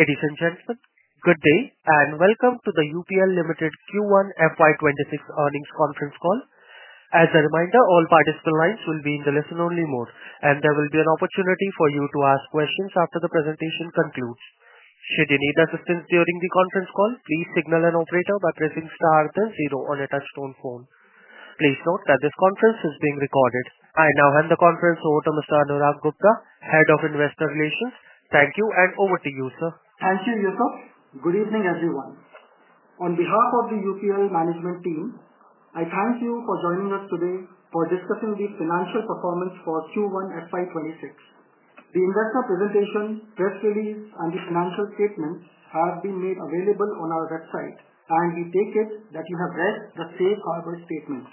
Ladies and gentlemen, good day, and welcome to the UPL Limited Q1 FY 'twenty six Earnings Conference Call. Questions after the presentation concludes. Please note that this conference is being recorded. I now hand the conference over to Mr. Anurag Gupta, Head of Investor Relations. Thank you and over to you sir. Thank you, Yousaf. Good evening everyone. On behalf of the UPL management team, I thank you for joining us today for discussing the financial performance for Q1 FY twenty six. The investor presentation, press release and the financial statements have been made available on our website and we take it that you have read the Safe Harbor statement.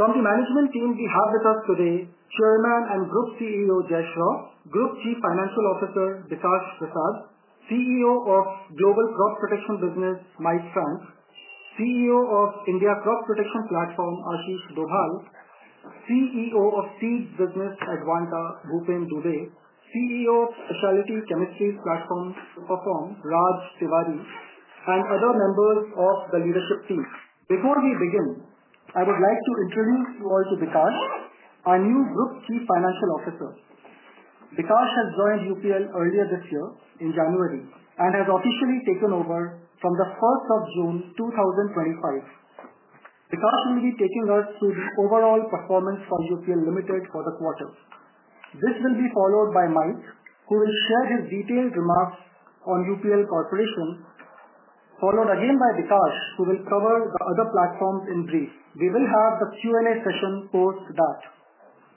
From the management team, we have with us today chairman and group CEO, Jay Shah group chief financial officer, Ditash Prasad CEO of global crop protection business, Mike Frank CEO of India crop protection platform, Ashish Dohal CEO of Seed Business, Advanta, Bhupin, Dure CEO, Specialty Chemistry Platform, Raj Tiwari and other members of the leadership team. Before we begin, I would like to introduce you all to Bikash, our new group chief financial officer. Bikash has joined UPL earlier this year in January and has officially taken over from the 06/01/2025. Ditash will be taking us through the overall performance for UPL Limited for the quarter. This will be followed by Mike, who will share his detailed remarks on UPL Corporation, followed again by Ditash, who will cover the other platforms in brief. We will have the Q and A session post that.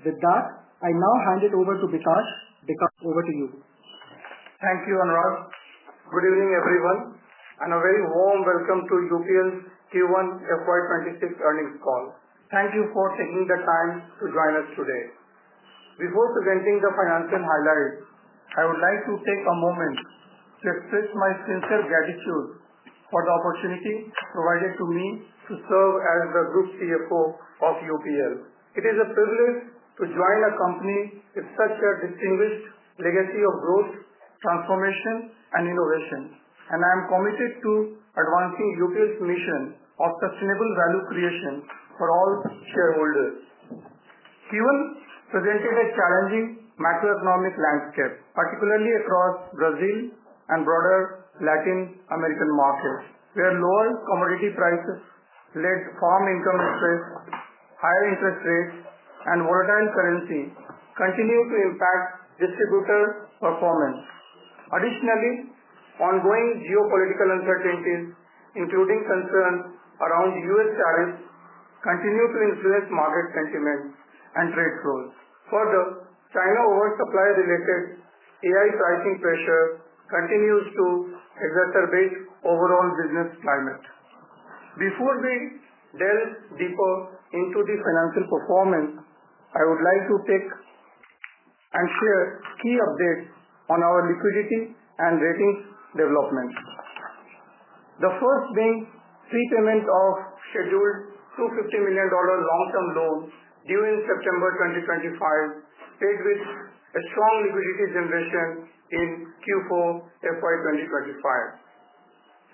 With that, I now hand it over to Ditash. Ditash, over to you. Thank you, Anurag. Good evening, everyone, and a very warm welcome to UPN's Q1 FY twenty six earnings call. Thank you for taking the time to join us today. Before presenting the financial highlights, I would like to take a moment to express my sincere gratitude for the opportunity provided to me to serve as the Group CFO of UPL. It is a privilege to join a company with such a distinguished legacy of growth, transformation and innovation, and I am committed to advancing UPL's mission of sustainable value creation for all shareholders. Q1 presented a challenging macroeconomic landscape, particularly across Brazil and broader Latin American markets, where lower commodity prices led farm income interest, higher interest rates and volatile currency continue to impact distributor performance. Additionally, ongoing geopolitical uncertainties, including concerns around The US tariffs continue to influence market sentiment and trade flows. Further, China oversupply related AI pricing pressure continues to exacerbate overall business climate. Before we delve deeper into the financial performance, I would like to take and share key updates on our liquidity and rating development. The first being prepayment of scheduled $250,000,000 long term loan, due in September 2025, paid with a strong liquidity generation in Q4 FY twenty twenty five.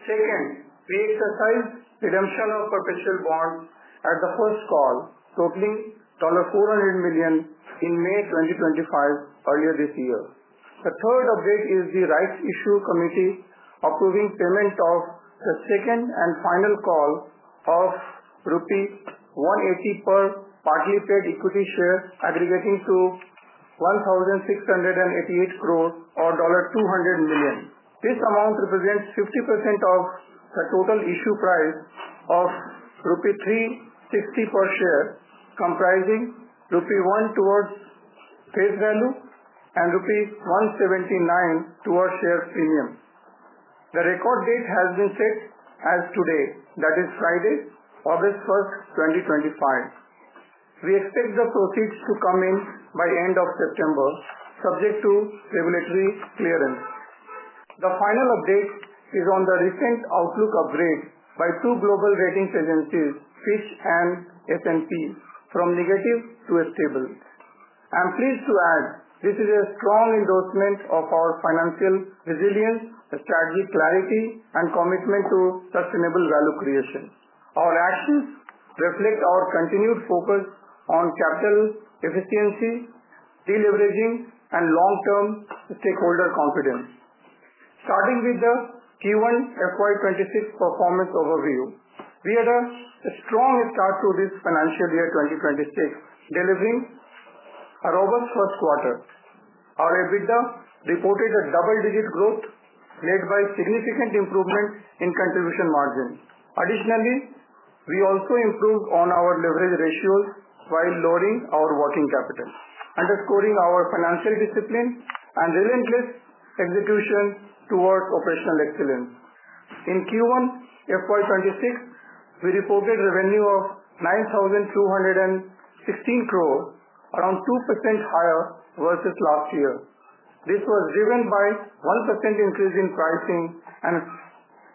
Second, we exercised redemption of perpetual bonds at the first call, totaling dollar 400,000,000 in May 2025 earlier this year. The third update is the right issue committee approving payment of the second and final call of rupee $1.80 per partly paid equity share aggregating to $16.88 crores or dollar 200,000,000. This amount represents 50% of the total issue price of rupee $3.60 per share, comprising rupee 1 towards face value and rupee 179 towards share premium. The record date has been set as today, that is Friday, 08/01/2025. We expect the proceeds to come in by September, subject to regulatory clearance. The final update is on the recent outlook upgrade by two global ratings agencies, Fitch and S and P from negative to stable. I'm pleased to add, this is a strong endorsement of our financial resilience, strategy clarity and commitment to sustainable value creation. Our actions reflect our continued focus on capital efficiency, deleveraging and long term stakeholder confidence. Starting with the q one FY twenty six performance overview. We had a strong start to this financial year 2026, delivering a robust first quarter. Our EBITDA reported a double digit growth, led by significant improvement in contribution margin. Additionally, we also improved on our leverage ratios while lowering our working capital, underscoring our financial discipline and relentless execution towards operational excellence. In Q1 FY twenty six, we reported revenue of 9,216 crores, around 2% higher versus last year. This was driven by 1% increase in pricing and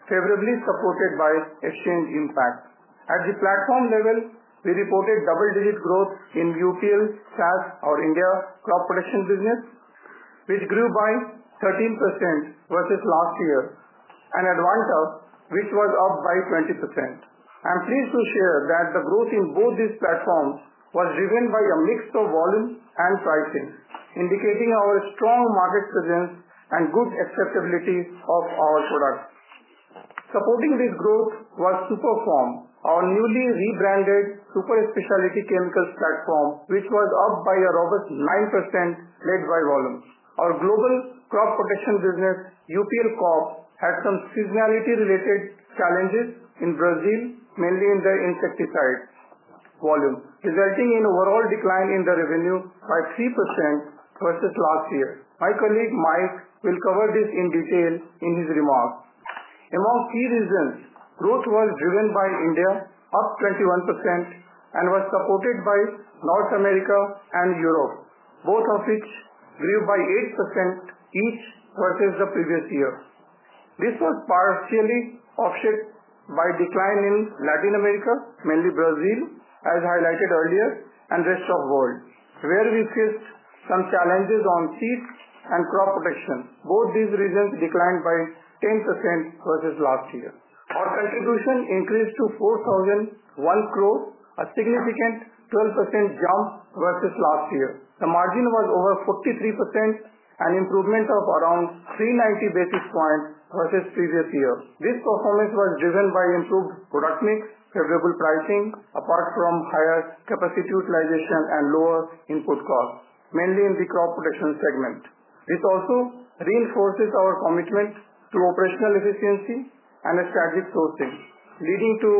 favorably supported by exchange impact. At the platform level, we reported double digit growth in UPL SaaS, our India crop protection business, which grew by 13% versus last year, and Advantage, which was up by 20%. I'm pleased to share that the growth in both these platforms was driven by a mix of volume and pricing, indicating our strong market presence and good acceptability of our products. Supporting this growth was Superform, our newly rebranded super specialty chemicals platform, which was up by a robust 9% led by volume. Our global crop protection business, UPL CORP had some seasonality related challenges in Brazil, mainly in the insecticide volume, resulting in overall decline in the revenue by 3% versus last year. My colleague, Mike, will cover this in detail in his remarks. Among key reasons, growth was driven by India, up 21% and was supported by North America and Europe, both of which grew by 8% each versus the previous year. This was partially offset by decline in Latin America, mainly Brazil, as highlighted earlier and rest of world, where we faced some challenges on seed and crop protection. Both these regions declined by 10% versus last year. Our contribution increased to 4,001 crore, a significant 12% jump versus last year. The margin was over 43%, an improvement of around three ninety basis points versus previous year. This performance was driven by improved product mix, favorable pricing, apart from higher capacity utilization and lower input costs, mainly in the crop protection segment. This also reinforces our commitment to operational efficiency and a strategic sourcing, leading to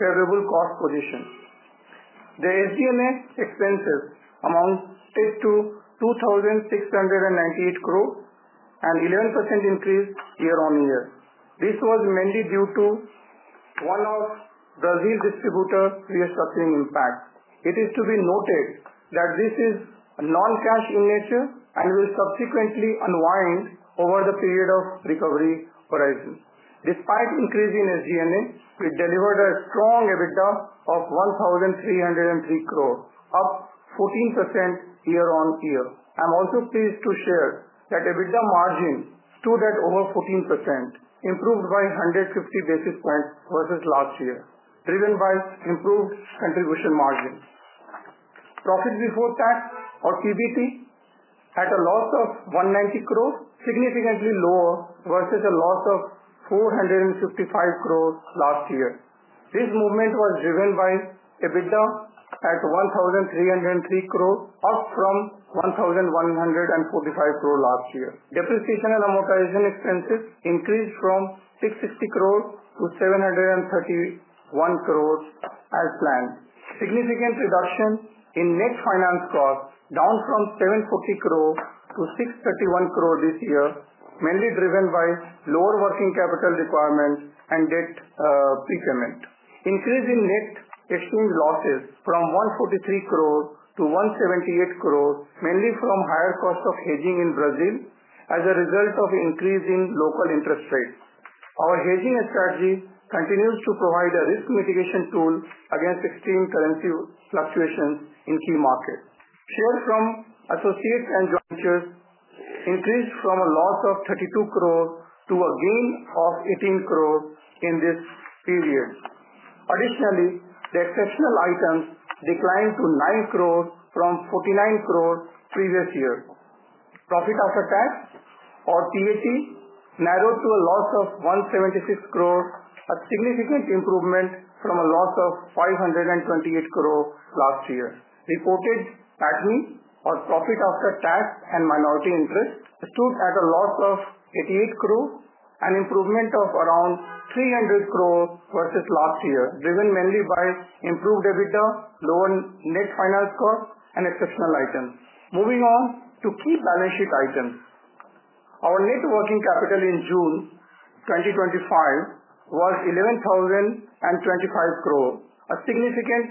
favorable cost position. The SG and A expenses amounted to 2,698 crore, an 11% increase year on year. This was mainly due to one off Brazil distributor restructuring impact. It is to be noted that this is non cash in nature and will subsequently unwind over the period of recovery horizon. Despite increase in SG and A, we delivered a strong EBITDA of 1,303 crore, up 14% year on year. I'm also pleased to share that EBITDA margin stood at over 14%, improved by 150 basis points versus last year, driven by improved contribution margin. Profit before tax or PBT at a loss of $1.90 crores, significantly lower versus a loss of 455 crores last year. This movement was driven by EBITDA at 1,303 crores, up from eleven forty five crore last year. Depreciation and amortization expenses increased from $6.60 crore to $7.31 crore as planned. Significant reduction in net finance cost down from $7.40 crores to $6.31 crores this year, mainly driven by lower working capital requirements and debt prepayment. Increase in net exchange losses from $1.43 crores to $1.78 crores, mainly from higher cost of hedging in Brazil as a result of increasing local interest rates. Our hedging strategy continues to provide a risk mitigation tool against extreme currency fluctuations in key markets. Shares from associates and joint ventures increased from a loss of 32 crores to a gain of 18 crores in this period. Additionally, the exceptional items declined to 9 crores from 49 crores previous year. Profit after tax or TAT narrowed to a loss of 176 crores, a significant improvement from a loss of $5.28 crore last year. Reported ADMI or profit after tax and minority interest stood at a loss of 88 crore, an improvement of around 300 crore versus last year, driven mainly by improved EBITDA, lower net finance cost and exceptional items. Moving on to key balance sheet items. Our net working capital in June 2025 was 11,025 crore, a significant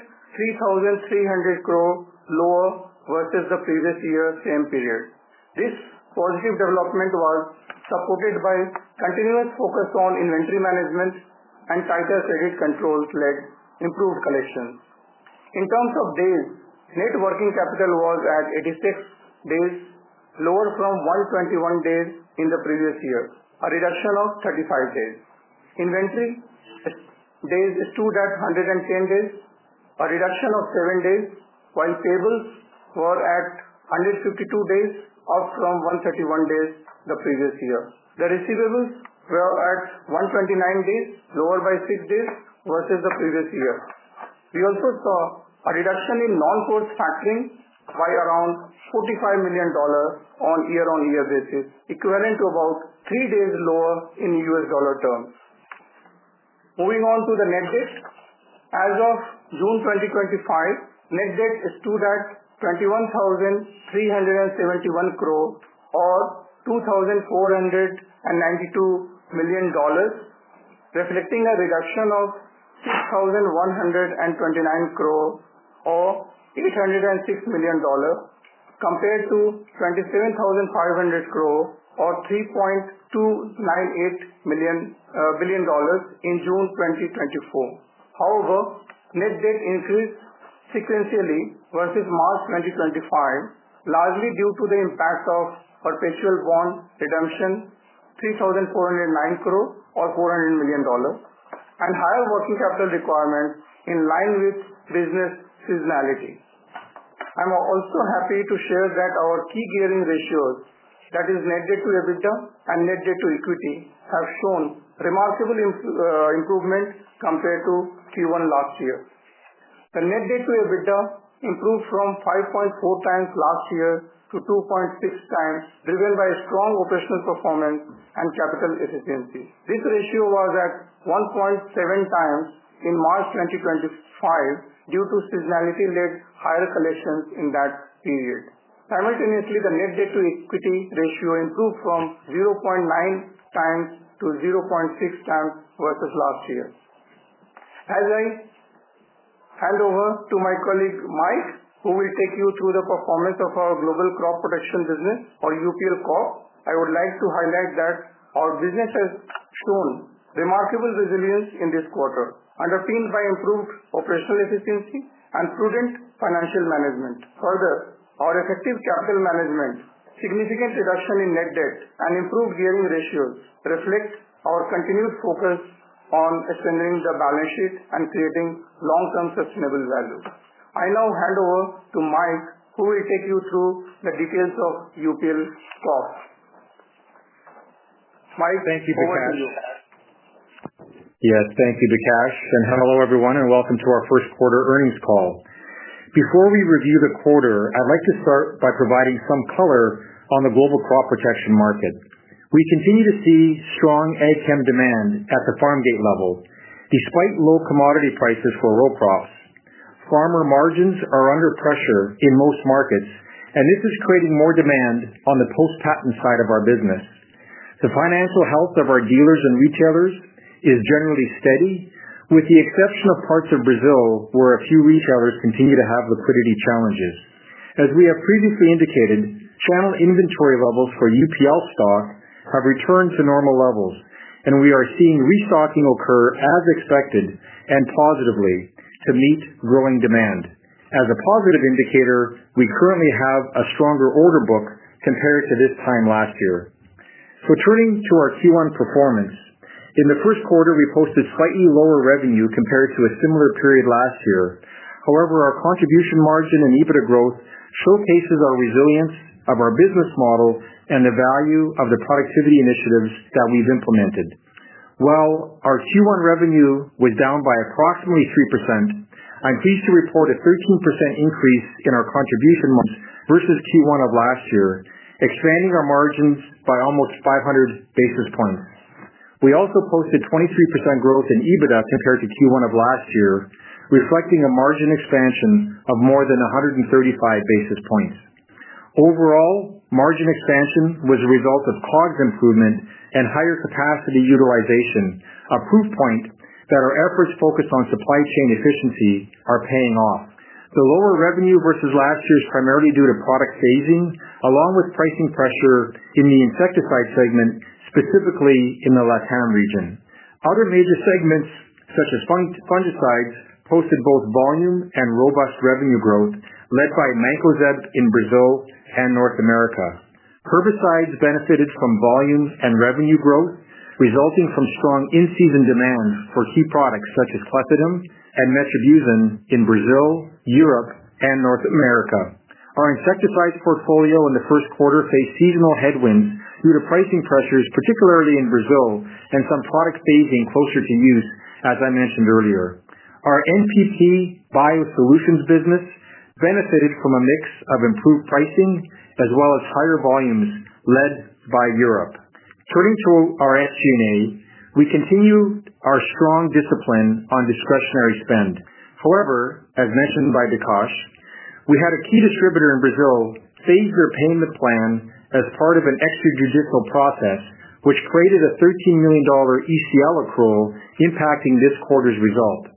3,300 crore lower versus the previous year same period. This positive development was supported by continuous focus on inventory management and tighter credit controls led improved collections. In terms of days, net working capital was at eighty six days, lower from one twenty one days in the previous year, a reduction of thirty five days. Inventory days stood at hundred and ten days, a reduction of seven days, while payables were at hundred fifty two days, up from one thirty one days the previous year. The receivables were at one twenty nine days, lower by six days versus the previous year. We also saw a reduction in non core factoring by around $45,000,000 on year on year basis, equivalent to about three days lower in U. S. Dollar terms. Moving on to the net debt. As of June 2025, net debt stood at 21,371 crore or 2,492 million dollars, reflecting a reduction of 6,129 crore or $8.00 $6,000,000 compared to 27,500 crore or 3,298,000.000 billion dollars in June 2024. However, net debt increased sequentially versus March 2025, largely due to the impact of perpetual bond redemption, 3,409 crore or $400,000,000 and higher working capital requirements in line with business seasonality. I'm also happy to share that our key gearing ratios that is net debt to EBITDA and net debt to equity have shown remarkable improvement compared to q one last year. The net debt to EBITDA improved from 5.4 times last year to 2.6 times driven by strong operational performance and capital efficiency. This ratio was at 1.7 times in March 2025 due to seasonality led higher collections in that period. Simultaneously, the net debt to equity ratio improved from 0.9 times to 0.6 times versus last year. As I hand over to my colleague, Mike, who will take you through the performance of our global crop protection business or UPL Corp, I would like to highlight that our business has shown remarkable resilience in this quarter, underpinned by improved operational efficiency and prudent financial management. Further, our effective capital management, significant reduction in net debt and improved gearing ratios reflect our continued focus on expanding the balance sheet and creating long term sustainable value. I now hand over to Mike, who will take you through the details of UPL's cost. Mike, I want thank you. Yes. Thank you, Dakesh, and hello, everyone, and welcome to our first quarter earnings call. Before we review the quarter, I'd like to start by providing some color on the global crop protection market. We continue to see strong ag chem demand at the farm gate level, despite low commodity prices for row crops. Farmer margins are under pressure in most markets, and this is creating more demand on the post patent side of our business. The financial health of our dealers and retailers is generally steady with the exception of parts of Brazil where a few retailers continue to have liquidity challenges. As we have previously indicated, channel inventory levels for UPL stock have returned to normal levels, and we are seeing restocking occur as expected and positively to meet growing demand. As a positive indicator, we currently have a stronger order book compared to this time last year. So turning to our Q1 performance. In the first quarter, we posted slightly lower revenue compared to a similar period last year. However, our contribution margin and EBITDA growth showcases our resilience of our business model and the value of the productivity initiatives that we've implemented. While our Q1 revenue was down by approximately 3%, I'm pleased to report a 13% increase in our contribution margin versus Q1 of last year, expanding our margins by almost 500 basis points. We also posted 23% growth in EBITDA compared to Q1 of last year, reflecting a margin expansion of more than 135 basis points. Overall, margin expansion was a result of COGS improvement and higher capacity utilization, a proof point that our efforts focused on supply chain efficiency are paying off. The lower revenue versus last year is primarily due to product phasing, along with pricing pressure in the insecticide segment, specifically in the LatAm region. Other major segments such as fungicides posted both volume and robust revenue growth led by Mancozeb in Brazil and North America. Herbicides benefited from volumes and revenue growth, resulting from strong in season demand for key products such as clethodim and metribuzin in Brazil, Europe and North America. Our insecticides portfolio in the first quarter faced seasonal headwinds due to pricing pressures, particularly in Brazil and some products phasing closer to use, as I mentioned earlier. Our NPP biosolutions business benefited from a mix of improved pricing as well as higher volumes led by Europe. Turning to our SG and A. We continue our strong discipline on discretionary spend. However, as mentioned by Dikash, we had a key distributor in Brazil save their payment plan as part of an extrajudicial process, which created a $13,000,000 ECL accrual impacting this quarter's result.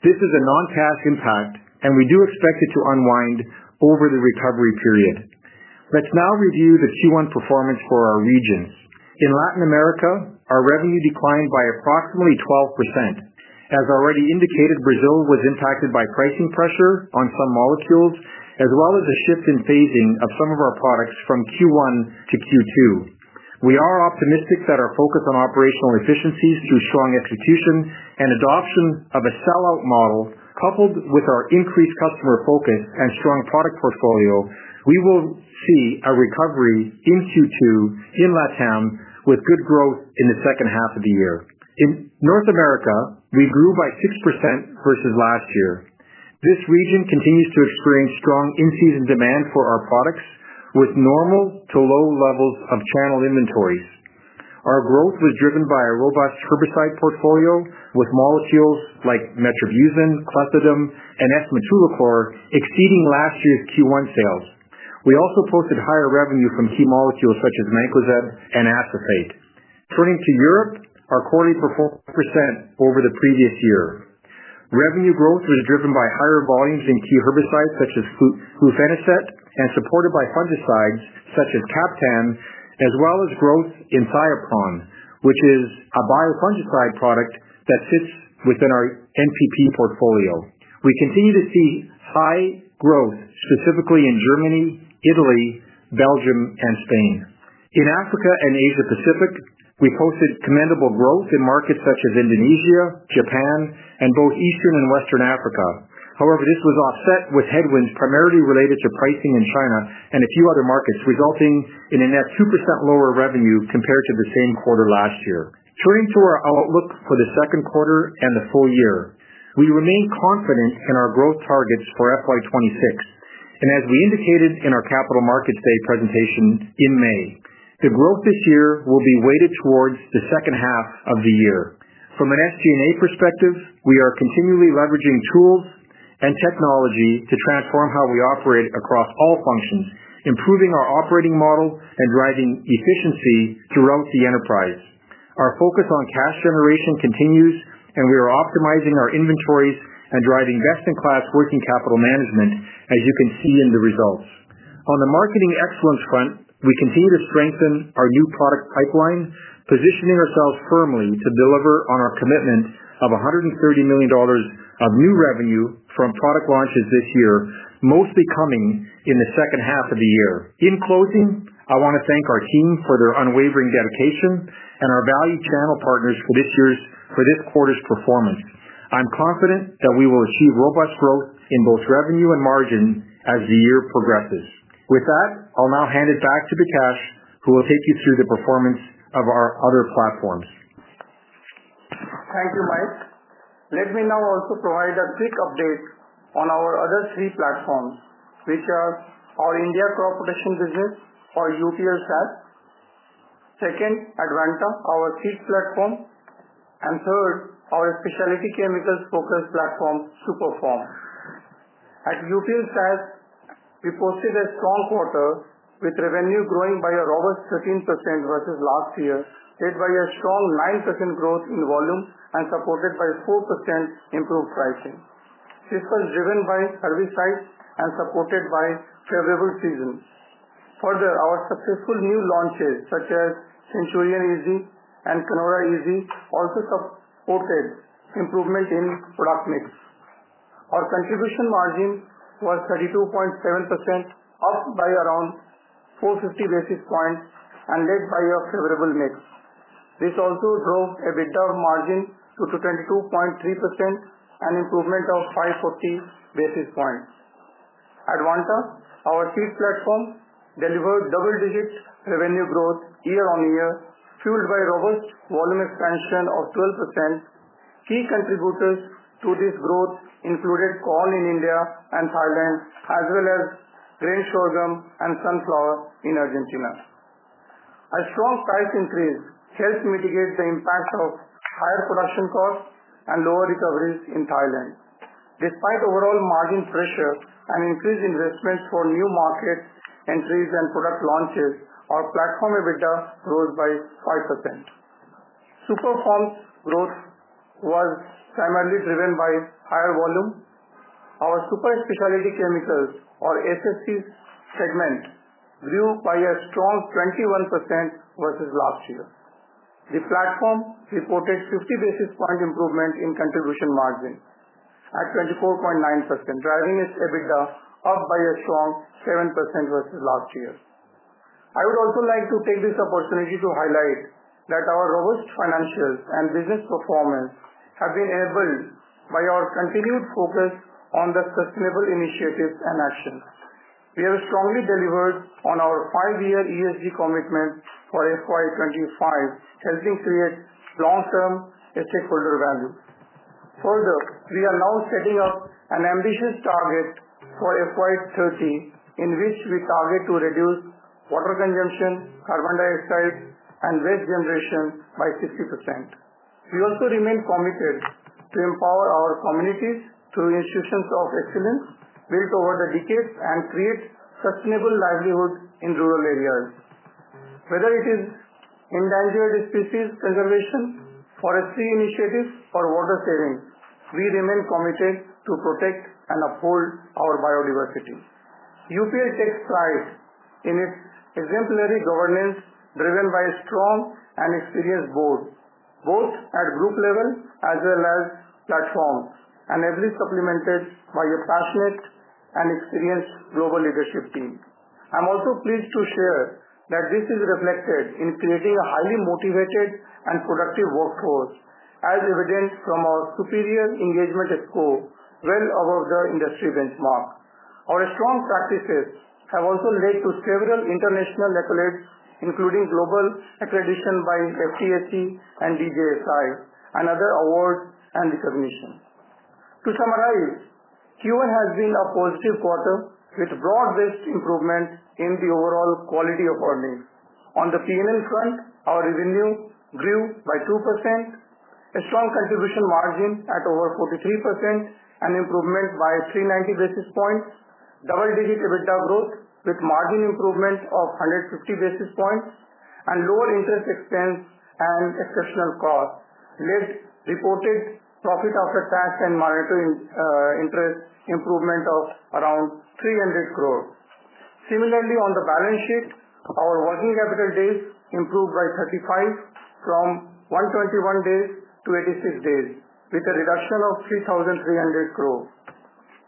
This is a non cash impact, and we do expect it to unwind over the recovery period. Let's now review the Q1 performance for our regions. In Latin America, our revenue declined by approximately 12%. As already indicated, Brazil was impacted by pricing pressure on some molecules as well as a shift in phasing of some of our products from Q1 to Q2. We are optimistic that our focus on operational efficiencies through strong execution and adoption of a sellout model, coupled with our increased customer focus and strong product portfolio, we will see a recovery in Q2 in LatAm with good growth in the second half of the year. In North America, we grew by 6% versus last year. This region continues to experience strong in season demand for our products with normal to low levels of channel inventories. Our growth was driven by a robust herbicide portfolio with molecules like metribuzin, clostridum and ethmetulicor exceeding last year's Q1 sales. We also posted higher revenue from key molecules such as Mancozeb and Acetate. Turning to Europe, our quarterly performance 4% over the previous year. Revenue growth was driven by higher volumes in key herbicides such as Flupheneset and supported by fungicides such as Kapton as well as growth in Thiopron, which is a biofungicide product that sits within our NPP portfolio. We continue to see high growth, specifically in Germany, Italy, Belgium and Spain. In Africa and Asia Pacific, we posted commendable growth in markets such as Indonesia, Japan and both Eastern And Western Africa. However, this was offset with headwinds primarily related to pricing in China and a few other markets, resulting in a net 2% lower revenue compared to the same quarter last year. Turning to our outlook for the second quarter and the full year. We remain confident in our growth targets for FY 'twenty six. And as we indicated in our Capital Markets Day presentation in May, the growth this year will be weighted towards the second half of the year. From an SG and A perspective, we are continually leveraging tools and technology to transform how we operate across all functions, improving our operating model and driving efficiency throughout the enterprise. Our focus on cash generation continues, and we are optimizing our inventories and driving best in class working capital management, as you can see in the results. On the marketing excellence front, we continue to strengthen our new product pipeline, positioning ourselves firmly to deliver on our commitment of $130,000,000 of new revenue from product launches this year, mostly coming in the second half of the year. In closing, I want to thank our team for their unwavering dedication and our value channel partners for this year's for this quarter's performance. I'm confident that we will achieve robust growth in both revenue and margin as the year progresses. With that, I'll now hand it back to Bikash, who will take you through the performance of our other platforms. Thank you, Mike. Let me now also provide a quick update on our other three platforms, which are our India crop protection business or UPSTAT. Second, Advantum, our seed platform. And third, our specialty chemicals focused platform, Superform. At UPL SaaS, we posted a strong quarter with revenue growing by a robust 13% versus last year, led by a strong 9% growth in volume and supported by 4% improved pricing. This was driven by service side and supported by favorable seasons. Further, our successful new launches such as Centurion Easy and Canora Easy also supported improvement in product mix. Our contribution margin was 32.7%, up by around four fifty basis points and led by a favorable mix. This also drove EBITDA margin to 22.3%, an improvement of five forty basis points. Advanta, our seed platform, delivered double digit revenue growth year on year, fueled by robust volume expansion of 12%. Key contributors to this growth included corn in India and Thailand as well as rain sorghum and sunflower in Argentina. A strong price increase helps mitigate the impact of higher production costs and lower recoveries in Thailand. Despite overall margin pressure and increased investments for new market entries and product launches, our platform EBITDA rose by 5%. SuperForm growth was primarily driven by higher volume. Our super specialty chemicals or SSCs segment grew by a strong 21% versus last year. The platform reported 50 basis point improvement in contribution margin at 24.9%, driving its EBITDA up by a strong 7% versus last year. I would also like to take this opportunity to highlight that our robust financials and business performance have been enabled by our continued focus on the sustainable initiatives and actions. We have strongly delivered on our five year ESG commitment for FY '25, helping create long term stakeholder value. Further, we are now setting up an ambitious target for FY '30, in which we target to reduce water consumption, carbon dioxide and waste generation by 60%. We also remain committed to empower our communities through institutions of excellence built over the decades and create sustainable livelihood in rural areas. Whether it is endangered species preservation, forestry initiatives or water saving, we remain committed to protect and uphold our biodiversity. UPL takes pride in its exemplary governance driven by strong and experienced board, both at group level as well as platform and every supplemented by a passionate and experienced global leadership team. I'm also pleased to share that this is reflected in creating a highly motivated and productive workforce as evidenced from our superior engagement score, well above the industry benchmark. Our strong practices have also led to several international accolades, including global accreditation by FTSE and BJSI and other awards and recognition. To summarize, Q1 has been a positive quarter with broad based improvement in the overall quality of earnings. On the P and L front, our revenue grew by 2%, a strong contribution margin at over 43% and improvement by three ninety basis points, double digit EBITDA growth with margin improvement of 150 basis points and lower interest expense and exceptional cost, led reported profit after tax and monetary interest improvement of around 300 crores. Similarly, on the balance sheet, our working capital days improved by 35 from one hundred twenty one days to eighty six days with a reduction of 3,300 crore.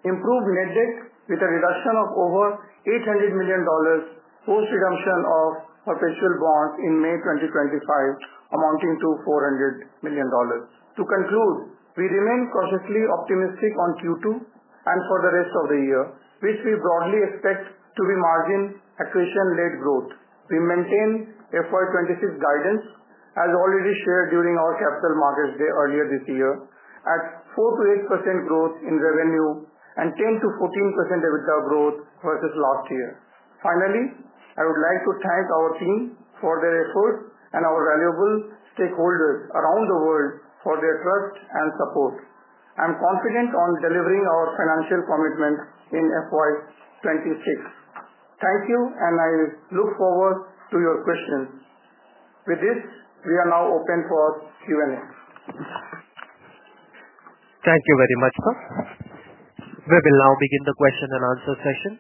Improved net debt with a reduction of over $800,000,000 post redemption of perpetual bond in May 2025 amounting to $400,000,000. To conclude, we remain cautiously optimistic on Q two and for the rest of the year, which we broadly expect to be margin accretion rate growth. We maintain FY twenty six guidance as already shared during our Capital Markets Day earlier this year at four to 8% growth in revenue and 10 to 14% EBITDA growth versus last year. Finally, I would like to thank our team for their effort and our valuable stakeholders around the world for their trust and support. I'm confident on delivering our financial commitment in FY twenty six. Thank you and I look forward to your questions. With this, we are now open for Q and A. Thank you very much, sir. We will now begin the question and answer session.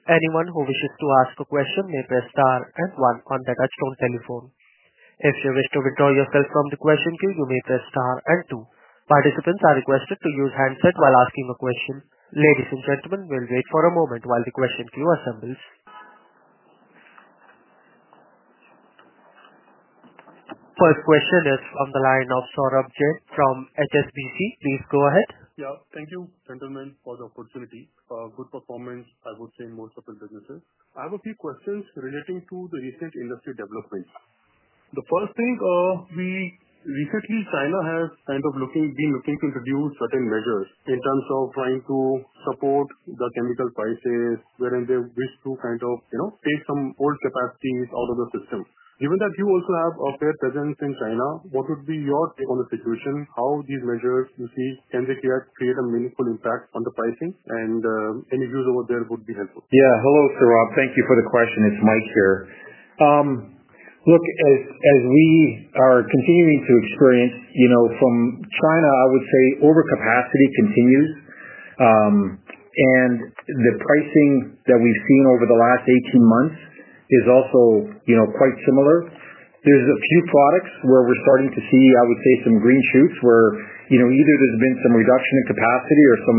Please go ahead. Yeah. Thank you, gentlemen, for the opportunity. Good performance, I would say, in most of the businesses. I have a few questions relating to the recent industry development. The first thing, we recently, China has kind of looking been looking to introduce certain measures in terms of trying to support the chemical prices, wherein they wish to kind of, you know, take some old capacities out of the system. Given that you also have a fair presence in China, what would be your take on the situation? How these measures you see? Can they create create a meaningful impact on the pricing? And any views over there would be helpful. Yeah. Hello, Saurabh. Thank you for the question. It's Mike here. Look, we are continuing to experience from China, I would say, overcapacity continues. And the pricing that we've seen over the last eighteen months is also quite similar. There's a few products where we're starting to see, I would say, some green shoots where either there's been some reduction in capacity or some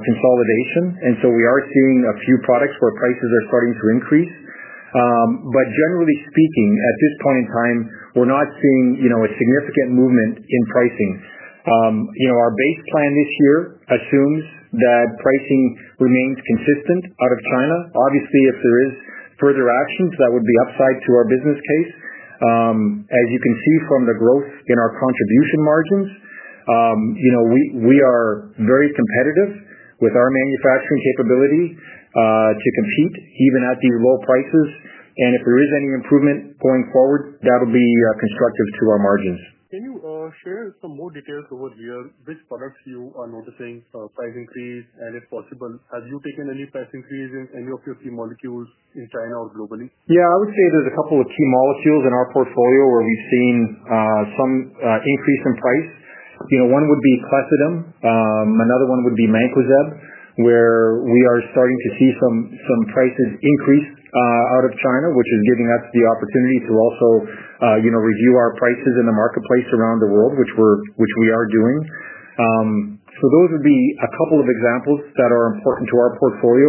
consolidation. And so we are seeing a few products where prices are starting to increase. But generally speaking, at this point in time, we're not seeing a significant movement in pricing. Our base plan this year assumes that pricing remains consistent out of China. Obviously, if there is further actions, that would be upside to our business case. As you can see from the growth in our contribution margins, we are very competitive with our manufacturing capability to compete even at these low prices. And if there is any improvement going forward, that will be constructive to our margins. Can you share some more details over here, which products you are noticing price increase? And if possible, have you taken any price increase in any of your key molecules in China or globally? Yes. I would say there's a couple of key molecules in our portfolio where we've seen some increase in price. One would be plastidom. Another one would be Mancozeb, where we are starting to see some prices increase out of China, which is giving us the opportunity to also review our prices in the marketplace around the world, which we are doing. So those would be a couple of examples that are important to our portfolio.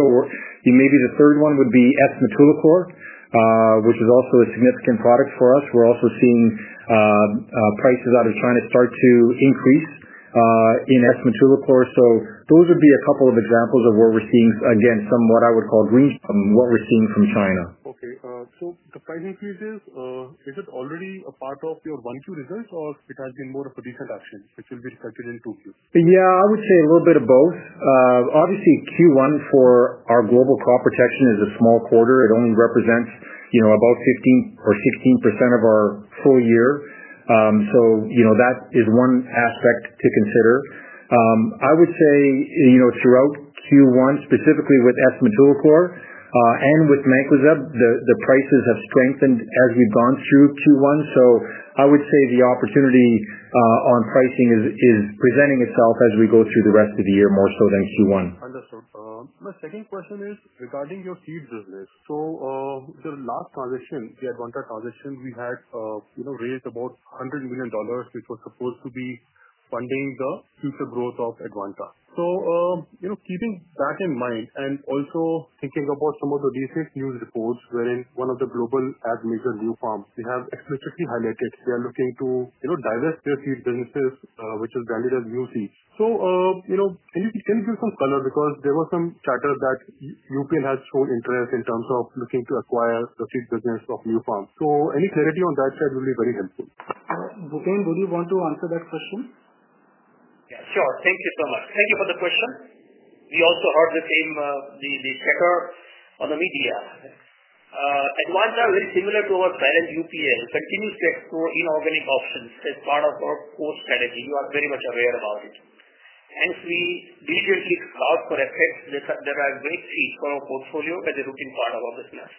Maybe the third one would be esthmetulacore, which is also a significant product for us. We're also seeing prices out of China start to increase in S material core. So those would be a couple of examples of where we're seeing, again, somewhat I would call green what we're seeing from China. Okay. So the price increases, is it already a part of your 1Q results or it has been more of a decent action, which will be expected in 2Q? Yes, I would say a little bit of both. Obviously, Q1 for our global crop protection is a small quarter. It only represents about 15% or 16% of our full year. So that is one aspect to consider. I would say throughout Q1, specifically with Essimatulacor and with Mancozeb, the prices have strengthened as we've gone through Q1. So I would say the opportunity on pricing is is presenting itself as we go through the rest of the year more so than q one. Understood. My second question is regarding your seed business. So the last transition, the contract transition, we had, you know, raised about $100,000,000, which was supposed to be funding the future growth of Advanta. So, you know, keeping that in mind and also thinking about some of the recent news reports wherein one of the global ad major New Farm, we have explicitly highlighted. They are looking to, you know, divest their seed businesses, which is branded as New Seeds. So, know, can you can you give some color? Because there were some chatter that UPN has shown interest in terms of looking to acquire the seed business of New Farm. So any clarity on that side will be very helpful. Bhuqin, would you want to answer that question? Yes. Sure. Thank you so much. Thank you for the question. We also heard the same the checker on the media. At one time, very similar to our balance, UPL continues to explore inorganic options as part of our core strategy. You are very much aware about it. Hence, we diligently cloud for FX that are great seats for our portfolio as a rooting part of our business.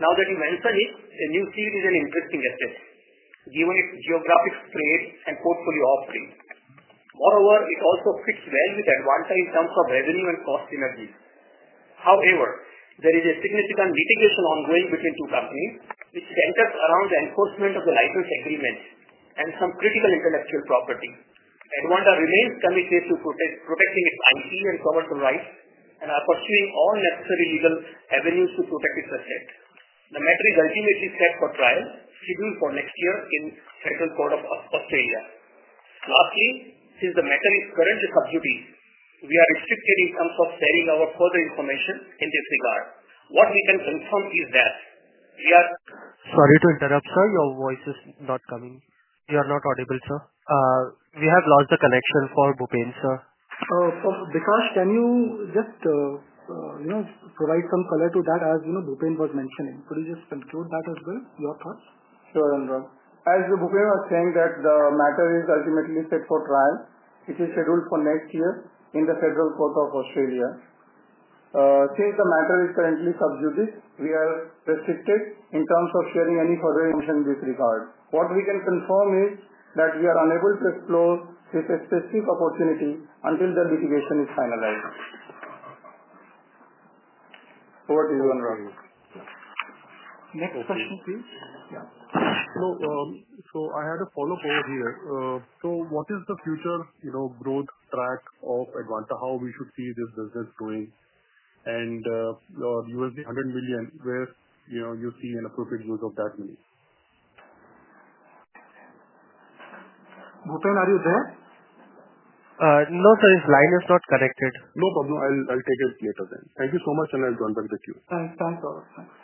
Now that you mentioned it, the new seat is an interesting asset, given its geographic spread and portfolio offering. Moreover, it also fits well with Advanta in terms of revenue and cost synergies. However, there is a significant mitigation ongoing between two companies, which centers around the enforcement of the license agreement and some critical intellectual property. Advanta remains committed to protecting its IP and commercial rights and are pursuing all necessary legal avenues to protect its assets. The matter is ultimately set for trial, scheduled for next year in Federal Court of Australia. Lastly, since the matter is currently sub duty, we are restricted in terms of selling our further information in this regard. What we can confirm is that we are Sorry to interrupt, sir. Your voice is not coming. You are not audible, sir. We have lost the connection for Bhupan, sir. Oh, Bhupan, can you just, you know, provide some color to that as you know, Bhupan was mentioning. Could you just conclude that as well, your thoughts? Sure, Anwar. As Bhupan was saying that the matter is ultimately set for trial. It is scheduled for next year in the Federal Court of Australia. Since the matter is currently subjugated, we are restricted in terms of sharing any further information with regard. What we can confirm is that we are unable to explore this specific opportunity until the litigation is finalized. Over to you Anurag. Next question please. Yeah. So so I had a follow-up over here. So what is the future, you know, growth track of Advanta? How we should see this business going? And you will be 100,000,000 where, you know, you see an appropriate use of that money? Bhutan, are you there? No, sir. His line is not connected. No problem. I'll I'll take it later then. Thank you so much, and I'll join back with you. Thanks. Thanks, Ara. Thanks.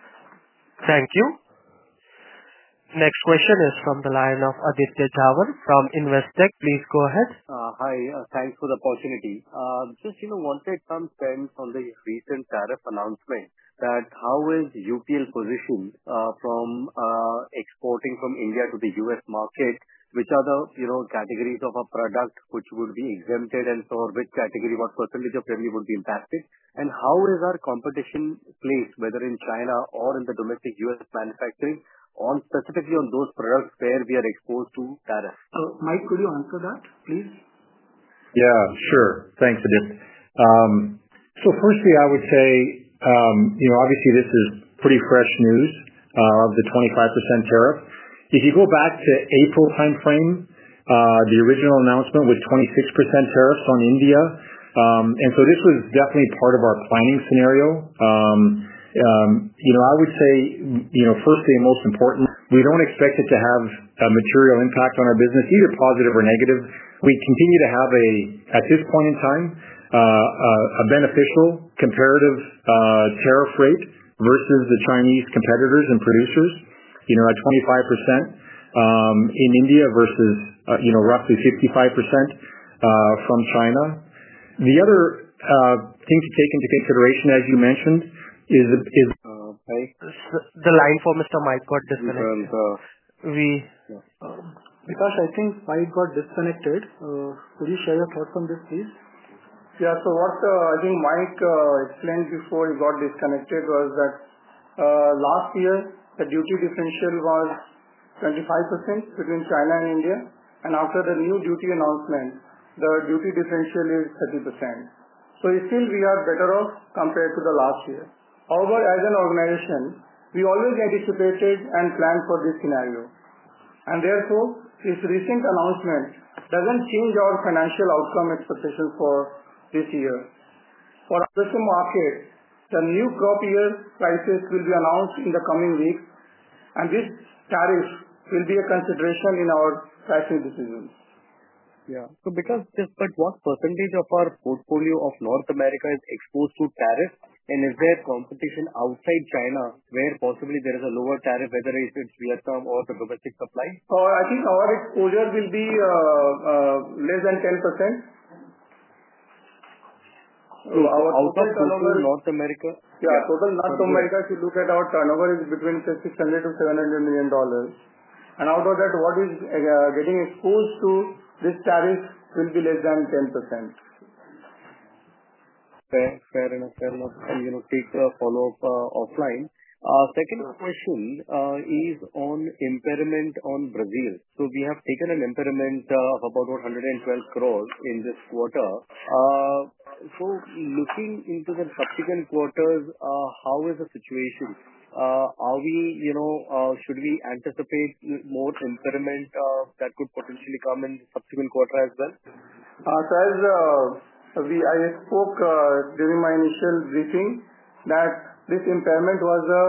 Thank you. Next question is from the line of Aditi Dharan from Investec. Please go ahead. Just wanted some sense on the recent tariff announcement that how is UPL positioned from exporting from India to The US market, which are the, you know, categories of our product which will be exempted and for which category, what percentage of revenue would be impacted? And how is our competition placed, whether in China or in the domestic US manufacturing on specifically on those products where we are exposed to tariffs? Mike, could you answer that, please? Yes. Sure. Thanks, Adip. So firstly, I would say, obviously, this is pretty fresh news of the 25% tariff. If you go back to April timeframe, the original announcement with 26% tariffs on India. And so this was definitely part of our planning scenario. I would say, firstly, most important, we don't expect it to have a material impact on our business, either positive or negative. We continue to have a, at this point in time, a beneficial comparative tariff rate versus the Chinese competitors and producers, you know, at 25 in India versus, you know, roughly 55% from China. The other thing to take into consideration, as you mentioned, is is The line for mister Mike got disconnected. We Mikash, I think Mike got disconnected. Could you share your thoughts on this, please? Yeah. So what I think Mike explained before he got disconnected was that last year, the duty differential was 25% between China and India. And after the new duty announcement, the duty differential is 30%. So, still we are better off compared to the last year. However, as an organization, we always anticipated and planned for this scenario. And therefore, this recent announcement doesn't change our financial outcome expectation for this year. For our Western market, the new crop year prices will be announced in the coming weeks, and this tariff will be a consideration in our pricing decisions. Yeah. So because just but what percentage of our portfolio of North America And is there competition outside China where possibly there is a lower tariff, whether it's Vietnam or the domestic supply? I think our exposure will be less than 10%. Total turnover in North America Yeah. Total North America, if you look at our turnover, between 600 to $700,000,000. And out of that, what is getting exposed to this tariff will be less than 10%. Fair enough. Fair enough. And we will take a follow-up offline. Second question is on impairment on Brazil. So we have taken an impairment of about 112 crores in this quarter. So looking into the subsequent quarters, how is the situation? Are we, you know, should we anticipate more impairment that could potentially come in subsequent quarter as well? Sir, we, I spoke during my initial briefing that this impairment was a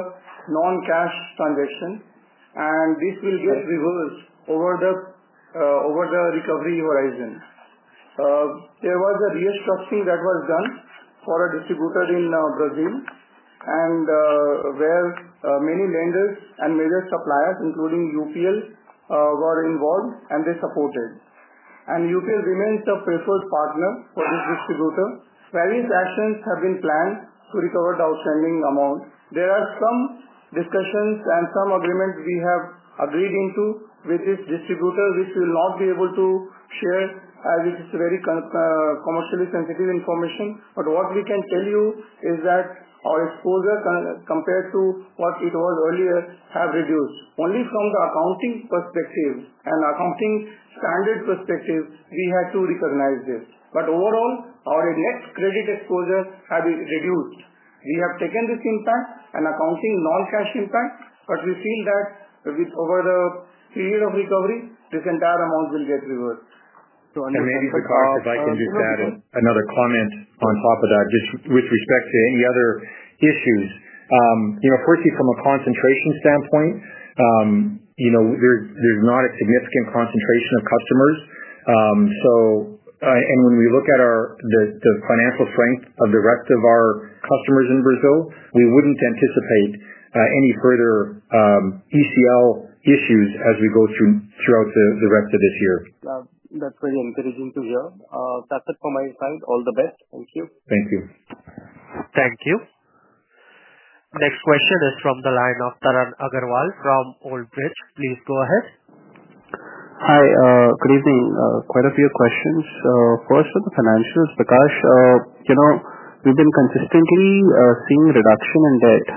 noncash transaction and this will get reversed over the over the recovery horizon. There was a reestroxy that was done for a distributor in Brazil and where many lenders and major suppliers, including UPL, were involved and they supported. And UPL remains the preferred partner for this distributor. Various actions have been planned to recover the outstanding amount. There are some discussions and some agreements we have agreed into with this distributor, which will not be able to share as it is very commercially sensitive information. But what we can tell you is that our exposure compared to what it was earlier have reduced. Only from the accounting perspective and accounting standard perspective, we had to recognize this. But overall, our net credit exposure has been reduced. We have taken this impact and accounting noncash impact, but we feel that with over the period of recovery, this entire amount will get reversed. So on the question, I'll add another comment on top of that, just with respect to any other issues. Firstly, from a concentration standpoint, there's not a significant concentration of customers. So and when we look at our the financial strength of the rest of our customers in Brazil, we wouldn't anticipate any further ECL issues as we go throughout the rest of this year. Next question is from the line of Taran Agarwal from Old Bridge. Please go ahead. Hi. Good evening. Quite a few questions. First on the financials, Prakash. You know, We've been consistently seeing reduction in debt,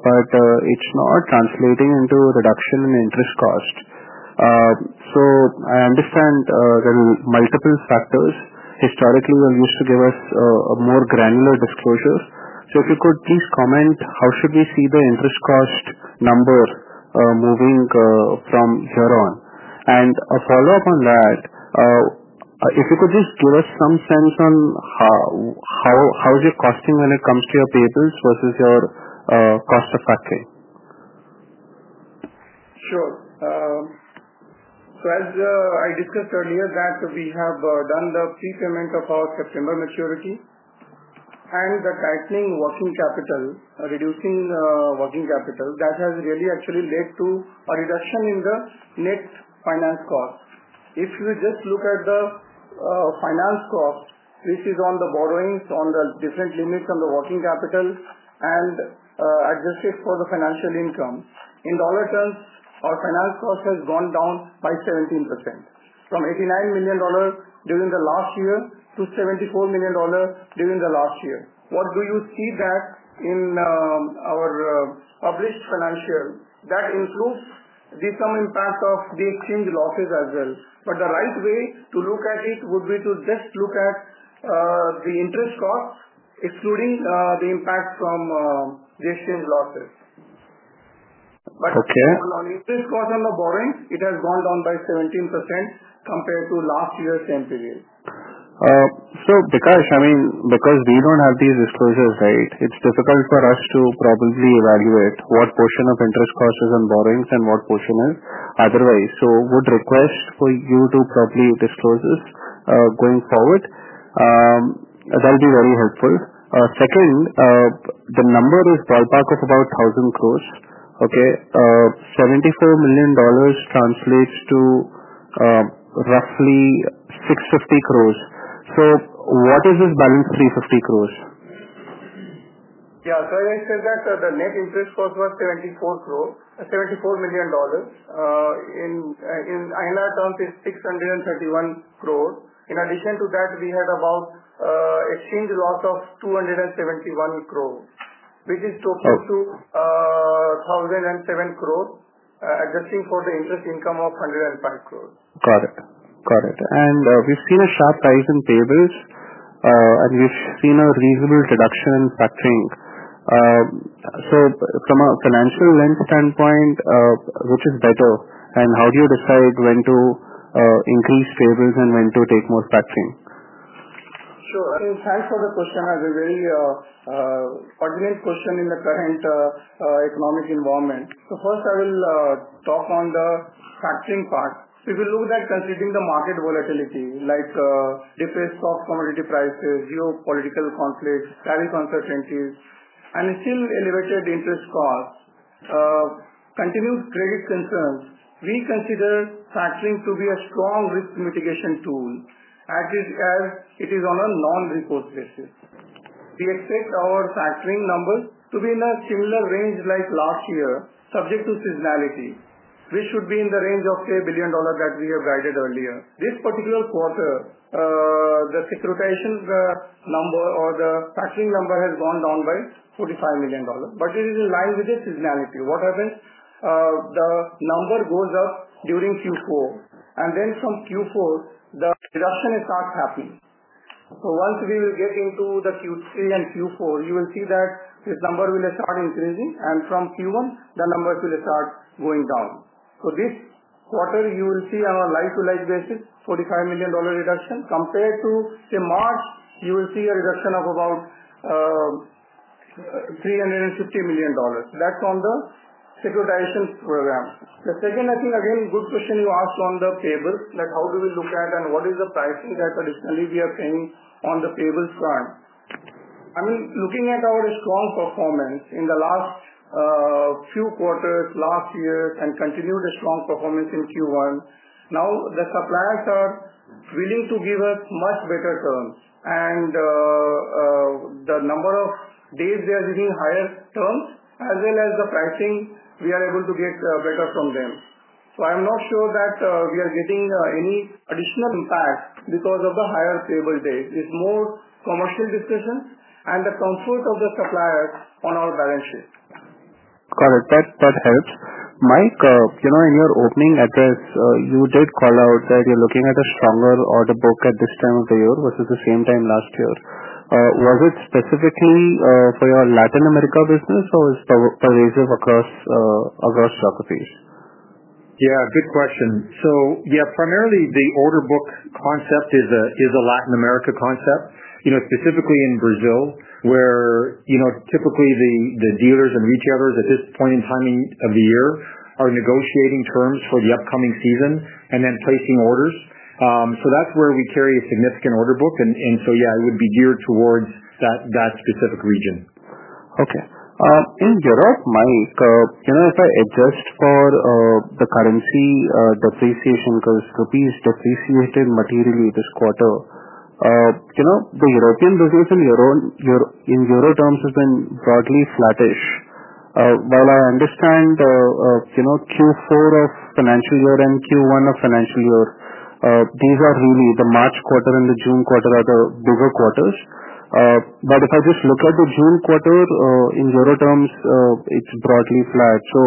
but it's not translating into a reduction in interest cost. So I understand there are multiple factors. Historically, you used to give us a more granular disclosure. So if you could please comment how should we see the interest cost number moving from here on? And a follow-up on that, if you could just give us some sense on how is it costing when it comes to your payables versus your cost of factory? Sure. So, as I discussed earlier that we have done the prepayment of our September maturity and the tightening working capital, reducing working capital that has really actually led to a reduction in the net finance cost. If you just look at the finance cost, which is on the borrowings on the different limits on the working capital and adjusted for the financial income, in dollar terms, our finance cost has gone down by 17% from $89,000,000 during the last year to $74,000,000 during the last year. What do you see that in our published financial? That includes the some impact of the exchange losses as well. But the right way to look at it would be to just look at the interest cost, excluding the impact from the exchange losses. But Okay. On interest cost on the borrowing, it has gone down by 17% compared to last year same period. So, Dikash, I mean, because we don't have these disclosures. Right? It's difficult for us to probably evaluate what portion of interest cost is on borrowings and what portion is otherwise. So would request for you to properly disclose this going forward. That will be very helpful. Second, the number is ballpark of about 1,000 crores, okay? INR 74,000,000 translates to roughly INR $6.50 crores. So what is this balance, INR $3.50 crores? Yes. So as I said that the net interest cost was 74,000,000 crores. In INR $6.31 crores. In addition to that, we had about exchange loss of INR $2.71 crores, which is total to 2,007 crores adjusting for the interest income of 105 crores. Got it. Got it. And we've seen a sharp rise in payables, and we've seen a reasonable reduction in factoring. So from a financial standpoint, which is better? And how do you decide when to increase payables and when to take more factoring? Sure. Thanks for the question. Have a very pertinent question in the current economic environment. So first, I will talk on the factoring part. If you look at considering the market volatility, like, depressed stock commodity prices, geopolitical conflicts, tariff uncertainties, and still elevated interest cost, continued credit concerns, we consider factoring to be a strong risk mitigation tool, as it as it is on a non recourse basis. We expect our factoring number to be in a similar range like last year, subject to seasonality. This should be in the range of say billion dollar that we have guided earlier. This particular quarter, the secretations number or the factoring number has gone down by $45,000,000, but it is in line with the seasonality. What happens? The number goes up during q four, and then from q four, the reduction starts happening. So once we will get into the q three and q four, you will see that this number will start increasing, and from q one, the numbers will start going down. So this quarter, will see on a like to like basis, 45,000,000 reduction compared to say March, you will see a reduction of about $350,000,000 That's on the securitization program. The second, I think, again, question you asked on the payables, like, how do we look at and what is the pricing that additionally we are paying on the payables front. I mean, looking at our strong performance in the last few quarters, last year and continued strong performance in Q1, now the suppliers are willing to give us much better terms. And the number of days they are giving higher terms as well as the pricing, we are able to get better from them. So I'm not sure that we are getting any additional impact because of the higher stable days. It's more commercial discussions and the comfort of the suppliers on our balance sheet. Got it. That helps. Mike, in your opening address, you did call out that you're looking at a stronger order book at this time of the year versus the same time last year. Was it specifically for your Latin America business? Or is it pervasive across geographies? Yes. Good question. So yes, primarily, the order book concept is a Latin America concept, specifically in Brazil, where typically the dealers and retailers at this point in time of the year are negotiating terms for the upcoming season and then placing orders. So that's where we carry a significant order book. And so yes, it would be geared towards that specific region. Okay. In Europe, Mike, if I adjust for the currency depreciation because rupees depreciated materially this quarter, The European business in euro terms has been broadly flattish. While I understand Q4 of financial year and Q1 of financial year, these are really the March and the June are the bigger quarters. But if I just look at the June in euro terms, it's broadly flat. So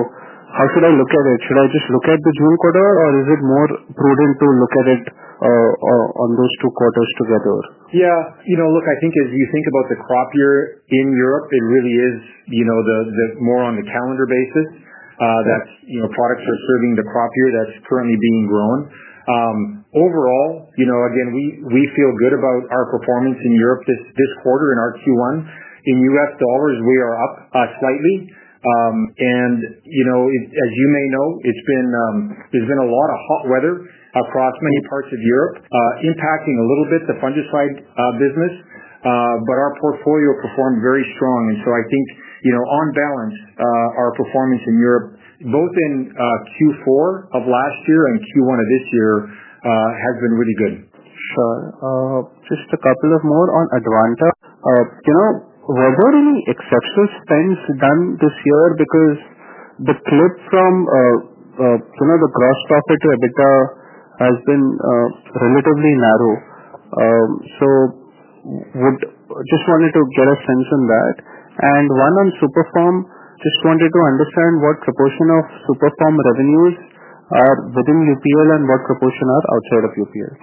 how should I look at it? Should I just look at the June? Or is it more prudent to look at it on those two quarters together? Yes. Look, think as you think about the crop year in Europe, it really is more on the calendar basis that products are serving the crop year that's currently being grown. Overall, again, we feel good about our performance in Europe this quarter in our Q1. In U. S. Dollars, we are up slightly. And as you may know, there's been a lot of hot weather across many parts of Europe, impacting a little bit the fungicide business. But our portfolio performed very strong. And so I think on balance, our performance in Europe, both in Q4 of last year and Q1 of this year, has been really good. Sure. Just a couple of more on Advanta. Were there any exceptional spends done this year? Because the clip from the gross profit to EBITDA has been relatively narrow. So would just wanted to get a sense on that. And one on SuperForm, just wanted to understand what proportion of SuperForm revenues are within UPL and what proportion are outside of UPL?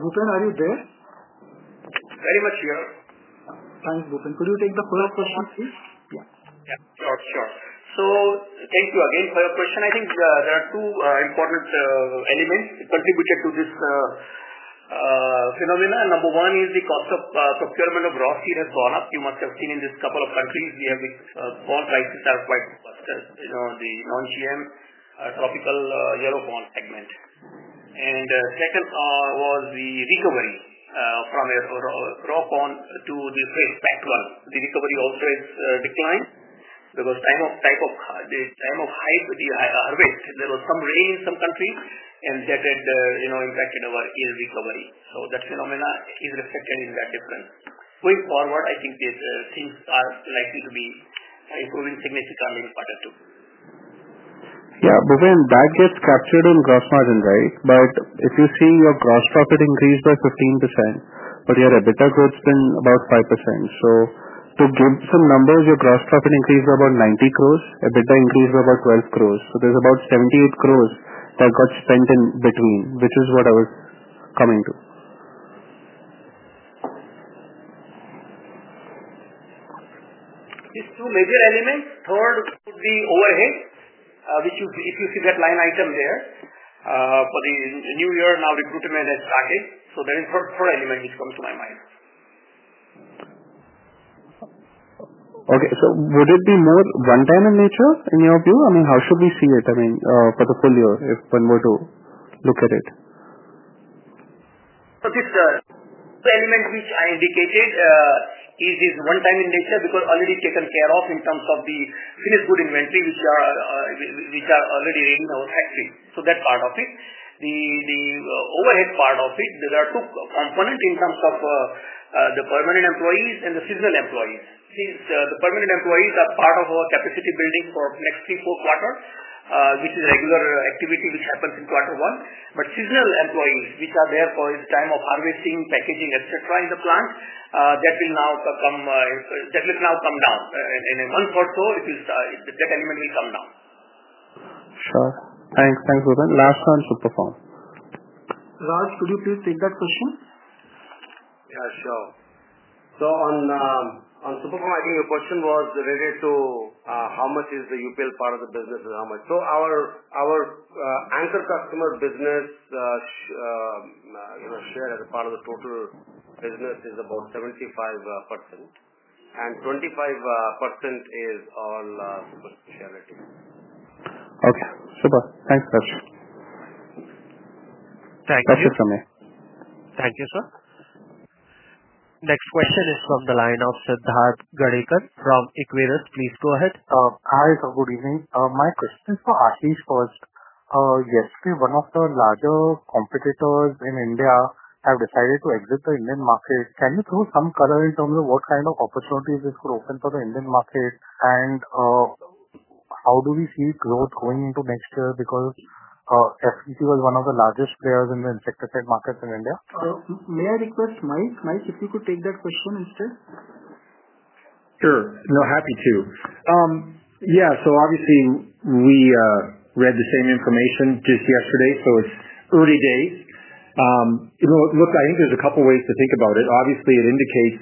Bhutan, are you there? Very much here. Thanks, Bhutan. Could you take the follow-up question, please? Yes. Yes. Sure. Sure. So thank you again for your question. I think there are two important elements contributed to this phenomenon. Number one is the cost of procurement of ROCE has gone up. You must have seen in this couple of countries, we have bought prices are quite faster, the non GM tropical yellow corn segment. And second was the recovery from raw corn to the trade, PAC-one. The recovery also has declined because time of type of the time of hike with the higher risk, there was some rain in some countries and that had impacted our yield recovery. So that phenomena is reflected in that difference. Going forward, I think that things are likely to be improving significantly in quarter two. Yes. Bhuvan, that gets captured in gross margin, right? But if you see your gross profit increased by 15%, but your EBITDA growth has been about 5%. So to give some numbers, your gross profit increased about 90 crores, EBITDA increased about 12 crores. So there's about 78 crores that got spent in between, which is what I was coming to. These two major elements, third would be overhead, which you see if you see that line item there for the new year, now recruitment has started. So there is four element which comes to my mind. Okay. So would it be more onetime in nature in your view? I mean, how should we see it, I mean, for the full year if one were to look at it? So this the element which I indicated is this onetime in nature because already taken care of in terms of the finished goods inventory, which are already in our factory. So that's part of it. The overhead part of it, there are two components in terms of the permanent employees and the seasonal employees. Since the permanent employees are part of our capacity building for next three, four quarters, which is regular activity which happens in quarter one. But seasonal employees, which are there for its time of harvesting, packaging, etcetera, in the plant, that will now come down. And in a month or so, it will start that element will come down. Sure. Bhavan. Last one on SuperPharm. Raj, could you please take that question? Yeah. Sure. So on on SuperPharm, I think your question was related to how much is the UPL part of the business and how much. So our our anchor customer business, you know, share as a part of the total business is about 7525% is all super share rating. Okay. Super. Thanks, Sachi. You. That's it from me. Thank you, sir. Next question is from the line of Siddharth Garekhan from Equiris. My question is for Ashish first. Yesterday, one of the larger competitors in India have decided to exit the Indian market. Can you give us some color in terms of what kind of opportunities this could open for the Indian market? And how do we see growth going into next year? Because FCC was one of the largest players in the market in India? May I request Mike? Mike, if you could take that question instead. Sure. No. Happy to. Yeah. So, obviously, we read the same information just yesterday, so it's early days. Look, I think there's a couple of ways to think about it. Obviously, it indicates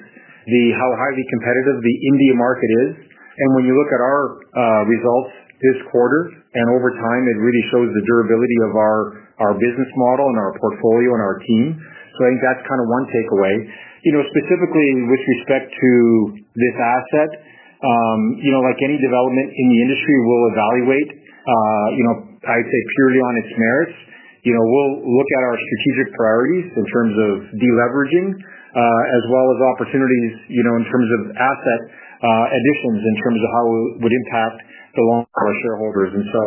the how highly competitive the India market is. And when you look at our results this quarter and over time, it really shows the durability of our business model and our portfolio and our team. So I think that's kind of one takeaway. Specifically, with respect to this asset, like any development in the industry, we'll evaluate, I'd say, purely on its merits. We'll look at our strategic priorities in terms of deleveraging as well as opportunities in terms of asset additions in terms of how it would impact the long term shareholders. And so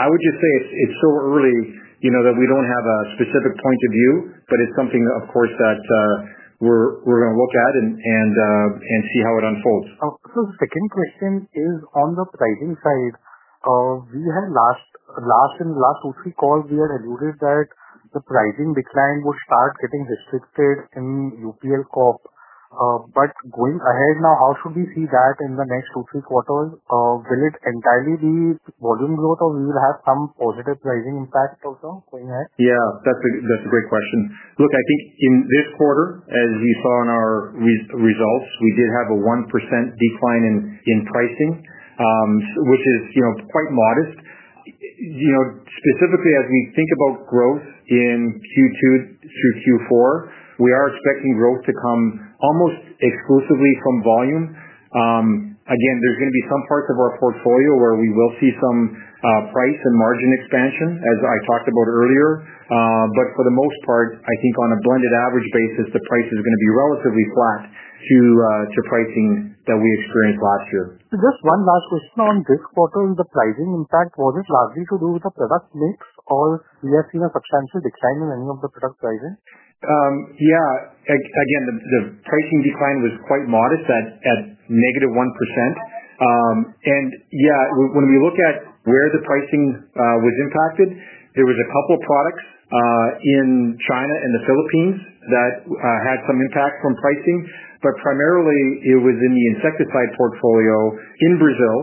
I would just say it's it's so early, you know, that we don't have a specific point of view, but it's something, of course, that we're we're gonna look at and and and see how it unfolds. So the second question is on the pricing side. We had last last in the last two, three calls, we had alluded that the pricing decline will start getting restricted in UPL Corp. But going ahead now, how should we see that in the next two, three quarters? Will it entirely be volume growth or will it have some positive pricing impact also going ahead? Yes. That's a that's a great question. Look, I think in this quarter, as you saw in our results, we did have a 1% decline in in pricing, which is quite modest. Specifically, as we think about growth in Q2 through Q4, we are expecting growth to come almost exclusively from volume. Again, there's going to be some parts of our portfolio where we will see some price and margin expansion, as I talked about earlier. But for the most part, I think on a blended average basis, the price is going to be relatively flat to to pricing that we experienced last year. So just one last question on this quarter and the pricing impact. Was it largely to do with the product mix or we have seen a substantial decline in any of the product pricing? Yeah. Again, the pricing decline was quite modest at at negative 1%. And, yeah, when we look at where the pricing was impacted, there was a couple products in China and The Philippines that had some impact from pricing. But primarily, it was in the insecticide portfolio in Brazil,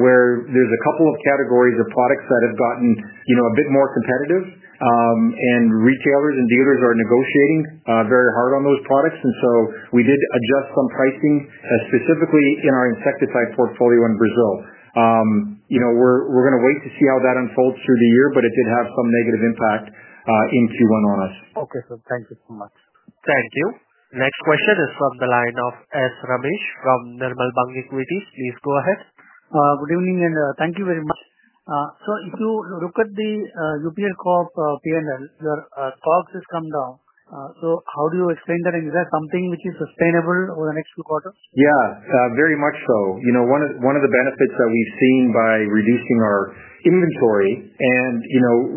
where there's a couple of categories of products that have gotten a bit more competitive. And retailers and dealers are negotiating very hard on those products. And so we did adjust some pricing, specifically in our insecticide portfolio in Brazil. You know, we're we're gonna wait to see how that unfolds through the year, but it did have some negative impact in Q1 on us. Okay, sir. Thank you so much. Thank you. Next question is from the line of S Ramesh from Nirban Bank Equities. Please go ahead. Good evening, and thank you very much. So if you look at the UPL Corp P and L, your COGS has come down. So how do you explain that? Is that something which is sustainable over the next few quarters? Yes. Very much so. One of the benefits that we've seen by reducing our inventory and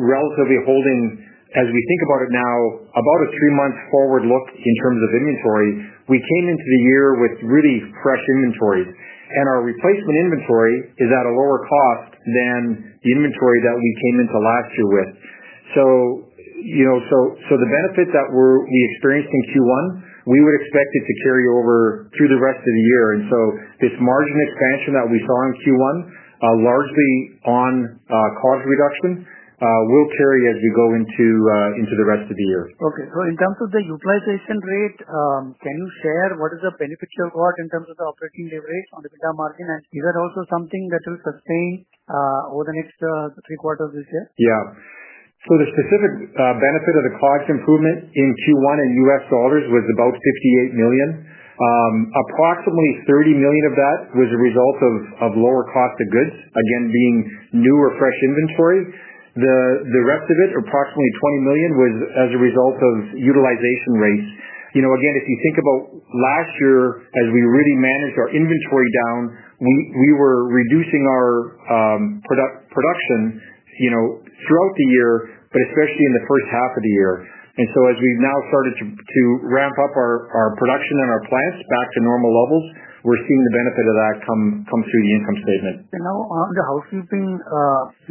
relatively holding, as we think about it now, about a three month forward look in terms of inventory, we came into the year with really fresh inventory. And our replacement inventory is at a lower cost than the inventory that we came into last year with. So the benefit that we experienced in Q1, we would expect it to carry over through the rest of the year. And so this margin expansion that we saw in Q1, largely on cost reduction, will carry as we go into the rest of the year. Okay. So in terms of the utilization rate, can you share what is the benefit you've got in terms of the operating leverage on EBITDA margin? Is that also something that will sustain over the next three quarters this year? Yes. So the specific benefit of the COGS improvement in Q1 in U. S. Dollars was about $58,000,000 Approximately $30,000,000 of that was a result of lower cost of goods, again, being new or fresh inventory. The rest of it, approximately $20,000,000 was as a result of utilization rates. Again, if you think about last year, as we really managed our inventory down, we were reducing our production throughout the year, but especially in the first half of the year. And so as we've now started to ramp up our production and our plants back to normal levels, we're seeing the benefit of that come come through the income statement. And now on the housekeeping,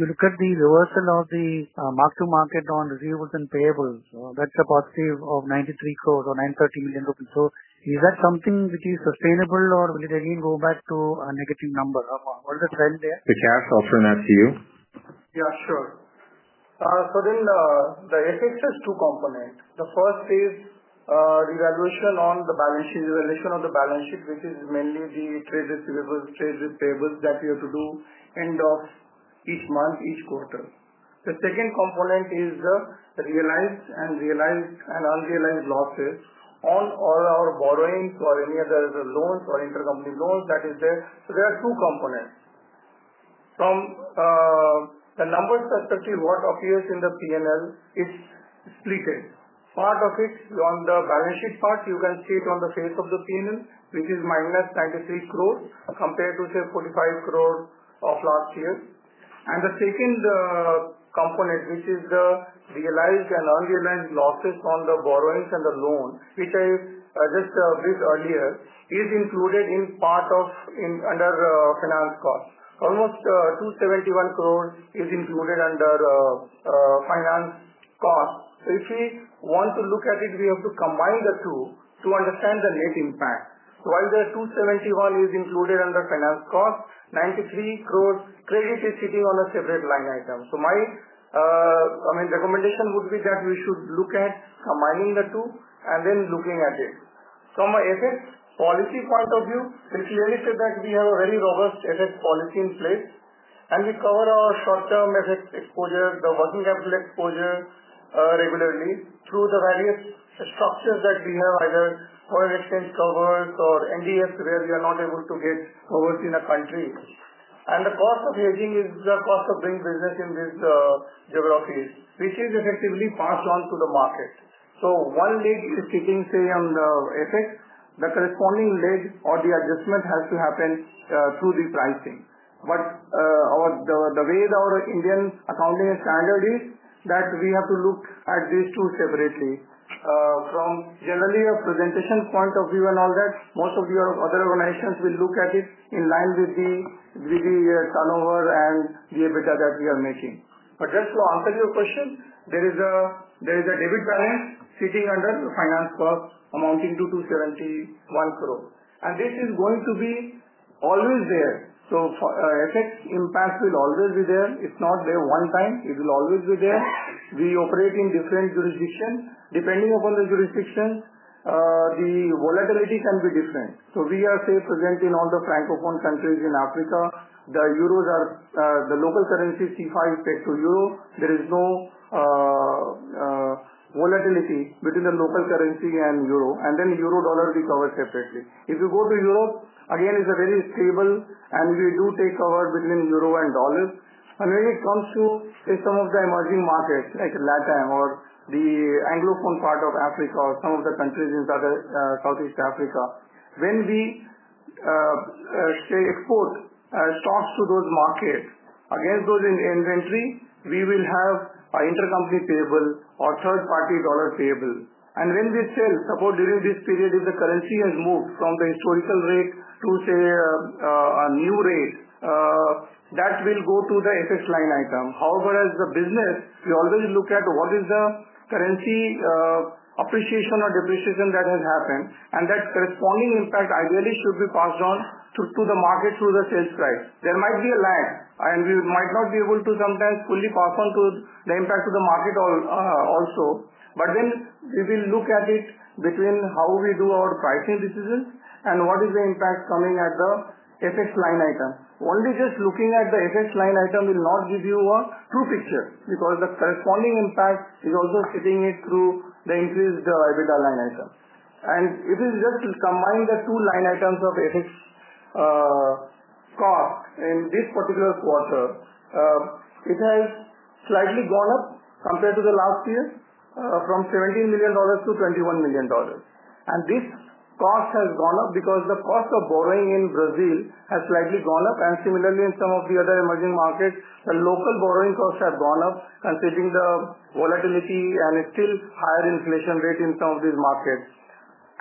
you look at the reversal of the mark to market on receivables and payables, that's a positive of 93 crores or $930,000,000 rupees. So is that something which is sustainable, or will it again go back to a negative number? The trend there? The cash, I'll turn that to you. Yeah. Sure. So then the FX has two components. The first is evaluation on the balance sheet, evaluation of the balance sheet, which is mainly the trade receivables, trade receivables that we have to do end of each month, each quarter. The second component is realized and realized and unrealized losses on all our borrowings or any other loans or intercompany loans that is there. So there are two components. From the numbers perspective, what appears in the P and L is splitted. Part of it on the balance sheet part, you can see it on the face of the P and L, which is minus 93 crores compared to say 45 crores of last year. And the second component, which is the realized and unrealized losses on the borrowings and the loan, which I just briefed earlier is included in part of in under finance cost. Almost $2.71 crores is included under finance cost. So if we want to look at it, we have to combine the two to understand the net impact. So while the $2.71 is included under finance cost, 93 crores credit is sitting on a separate line item. So my, I mean, recommendation would be that we should look at combining the two and then looking at it. From a asset policy point of view, it clearly says that we have a very robust FX policy in place and we cover our short term FX exposure, the working capital exposure regularly through the various structures that we have either foreign exchange covers or NDF where we are not able to get covers in a country. And the cost of hedging is the cost of doing business in this geographies, which is effectively passed on to the market. So one leg is kicking, say, on the FX, the corresponding leg or the adjustment has to happen through the pricing. But our the the way our Indian accounting standard is that we have to look at these two separately. From generally a presentation point of view and all that, most of your other organizations will look at it in line with the with the turnover and the EBITDA that we are making. But just to answer your question, there is a is a debit balance sitting under the finance cost amounting to $2.71 crore. And this is going to be always there. So, FX impact will always be there. It's not there one time. It will always be there. We operate in different jurisdictions. Depending upon the jurisdiction, the volatility can be different. So we are, say, presenting all the francophone countries in Africa. The euros are the local currency, c five, is peg to euro. There is no volatility between the local currency and euro, and then euro dollar recover separately. If you go to Europe, again, it's a very stable, and we do take cover between euro and dollars. And when it comes to some of the emerging markets, like LatAm or the Anglophone part of Africa or some of the countries in the other Southeast Africa, when we, say, export stocks to those markets against those inventory, we will have our intercompany payable or third party dollar payable. And when we sell, support during this period, if the currency has moved from the historical rate to say a new rate, that will go to the FX line item. However, as the business, we always look at what is the currency appreciation or depreciation that has happened and that corresponding impact ideally should be passed on to to the market through the sales price. There might be a lag and we might not be able to sometimes fully pass on to the impact to the market all also. But then we will look at it between how we do our pricing decisions and what is the impact coming at the FX line item. Only just looking at the FX line item will not give you a true picture because the corresponding impact is also sitting it through the increased EBITDA line item. And it is just to combine the two line items of FX cost in this particular quarter, it has slightly gone up compared to the last year from $17,000,000 to $21,000,000. And this cost has gone up because the cost of borrowing in Brazil has slightly gone up and similarly in some of the other emerging markets, the local borrowing costs have gone up considering the volatility and still higher inflation rate in some of these markets.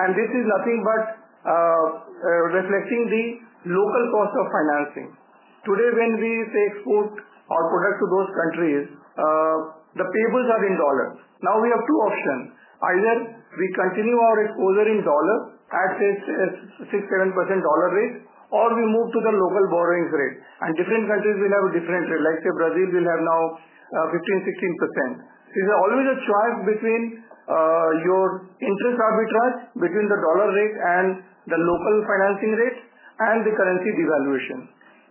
And this is nothing but reflecting the local cost of financing. Today, when we say export our product to those countries, the payables are in dollar. Now we have two options, either we continue our exposure in dollar at 67% dollar rate or we move to the local borrowing rate. And different countries will have a different rate. Like, say, Brazil will have now 1516%. It's always a choice between your interest arbitrage, between the dollar rate and the local financing rate and the currency devaluation.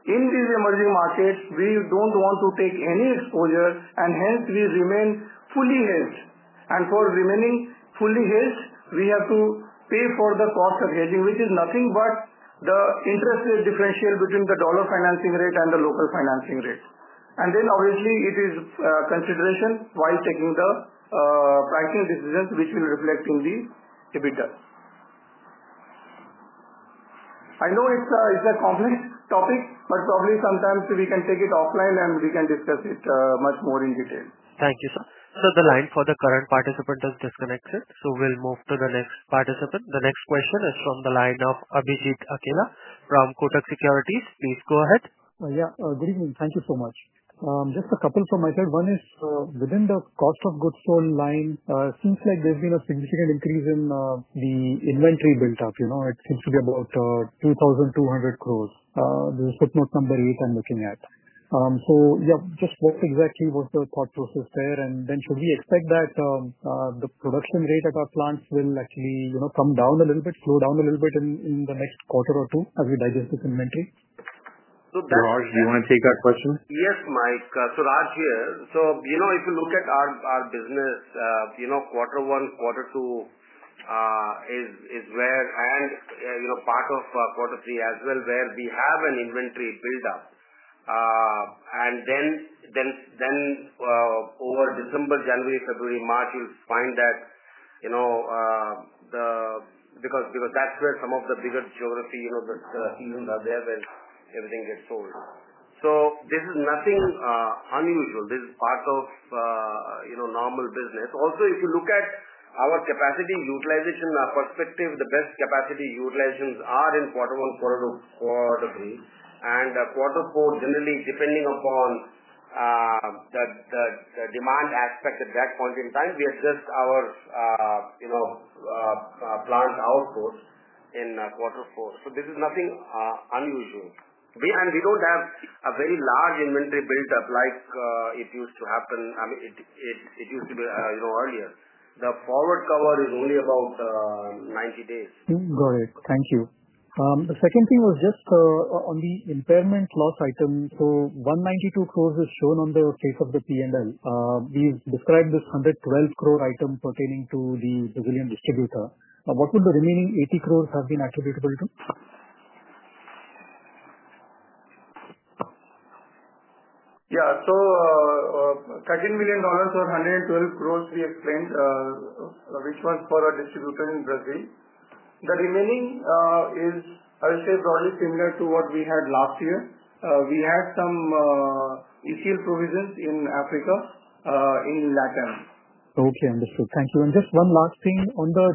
In these emerging markets, we don't want to take any exposure, and hence, we remain fully hedged. And for remaining fully hedged, we have to pay for the cost of hedging, which is nothing but the interest rate differential between the dollar financing rate and the local financing rate. And then obviously, it is consideration while taking the pricing decisions, which will reflect in the EBITDA. I know it's a it's a complex topic, but probably sometimes we can take it offline and we can discuss it much more in detail. Thank you, sir. Sir, the line for the current participant has disconnected. So, we'll move to the next participant. The next question is from the line of Abhijit Akhila from Kotak Securities. Please go ahead. Yeah. Good evening. Thank you so much. Just a couple from my side. One is within the cost of goods sold line, it seems like there's been a significant increase in the inventory buildup. You know, it seems to be about 2,200 crores. This is footnote number eight I'm looking at. So, yep, just what exactly was the thought process there? And then should we expect that the production rate at our plants will actually, you know, come down a little bit, slow down a little bit in in the next quarter or two as we digest this inventory? Raj, do you wanna take that question? Yes, Mike. So Raj here. So, you know, if you look at our our business, you know, quarter one, quarter two is is where and, you know, part of quarter three as well where we have an inventory buildup. And then then then over December, January, February, March, you'll find that, you know, the because because that's where some of the biggest geography, you know, that even are there when everything gets sold. So this is nothing unusual. This is part of, you know, normal business. Also, if you look at our capacity utilization perspective, the best capacity utilizations are in quarter one, quarter two, quarter three. And quarter four, generally depending upon the demand aspect at that point in time, we adjust our plant output in quarter four. So this is nothing unusual. We and we don't have a very large inventory buildup like it used to happen. I mean, it it it used to be, you know, earlier. The forward cover is only about ninety days. Got it. Thank you. The second thing was just on the impairment loss item. So $1.92 crores is shown on the case of the p and l. We've described this 112 crore item pertaining to the Brazilian distributor. What would the remaining 80 crores have been attributable to? Yeah. So $13,000,000 or 112 crores, we explained, which was for a distributor in Brazil. The remaining is, I would say, broadly similar to what we had last year. We had some issue provisions in Africa in LatAm. Okay. Understood. Thank you. And just one last thing on the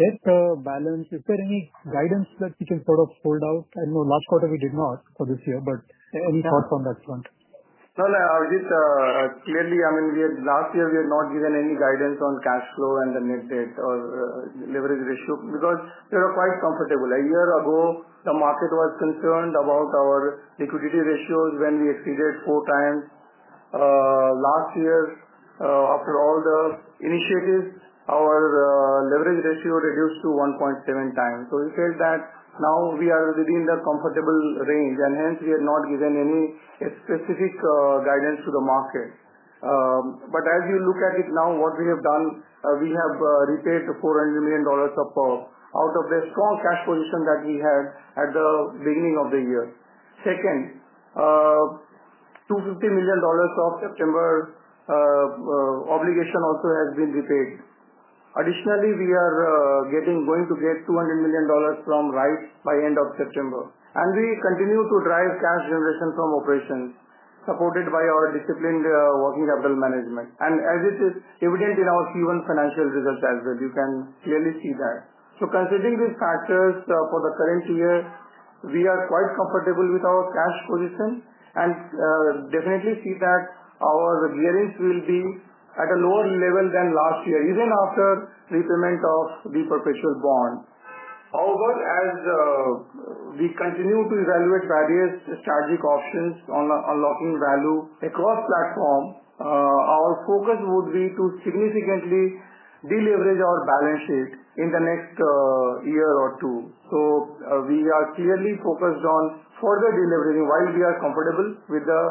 debt balance. Is there any guidance that we can sort of hold out? I know last quarter we did not for this year, but any thoughts on that front. No. I was just clearly, I mean, we had last year, we had not given any guidance on cash flow and the net debt or leverage ratio because we are quite comfortable. A year ago, the market was concerned about our liquidity ratios when we exceeded four times last year. After all the initiatives, our leverage ratio reduced to 1.7 times. So we said that now we are within the comfortable range and hence, we have not given any specific guidance to the market. But as you look at it now, what we have done, we have repaid the $400,000,000 of out of the strong cash position that we had at the beginning of the year. Second, $250,000,000 of September obligation also has been repaid. Additionally, we are getting going to get $200,000,000 from rights by September. And we continue to drive cash generation from operations, supported by our disciplined working capital management. And as it is evident in our Q1 financial results as well, you can clearly see that. So considering these factors for the current year, we are quite comfortable with our cash position and definitely see that our gearing will be at a lower level than last year, even after repayment of the perpetual bond. However, as we continue to evaluate various strategic options on unlocking value across platform, our focus would be to significantly deleverage our balance sheet in the next year or two. So we are clearly focused on further deleveraging, while we are comfortable with the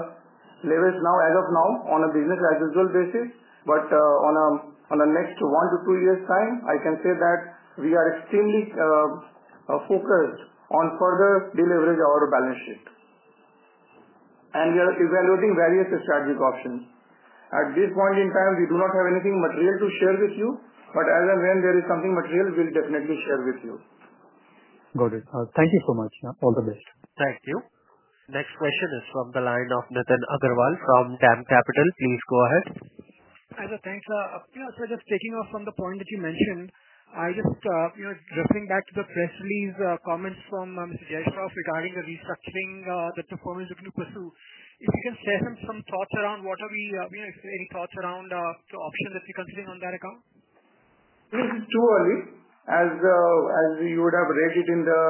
leverage now as of now on a business as usual basis. But on a on a next one to two years' time, I can say that we are extremely focused on further deleverage our balance sheet. And we are evaluating various strategic options. At this point in time, we do not have anything material to share with you, but as and when there is something material, we'll definitely share with you. Got it. Thank you so much. All the best. Thank you. Next question is from the line of Nitin Agarwal from DAM Capital. Please go ahead. Hi, sir. Thanks. You know, sir, just taking off from the point that you mentioned, I just, you know, dressing back to the press release comments from mister Rajeshwaf regarding the restructuring that the performance you're to pursue. If you can share some thoughts around what are we, you know, if there's any thoughts around the options that you're considering on that account? This is too early. As as we would have read it in the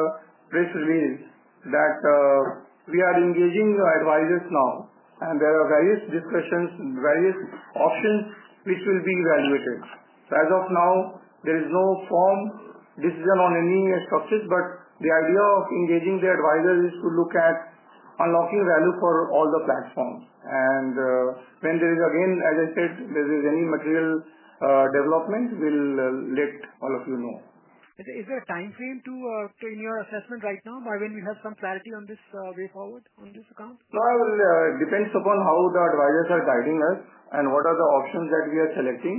press release that we are engaging advisers now and there are various discussions, various options, which will be evaluated. So as of now, there is no firm decision on any structures, but the idea of engaging the adviser is to look at unlocking value for all the platforms. And when there is again, as I said, there is any material development, we'll let all of you know. Is there a time frame to to in your assessment right now, Marvin, we have some clarity on this way forward on this account? No, I will depends upon how the advisers are guiding us and what are the options that we are selecting.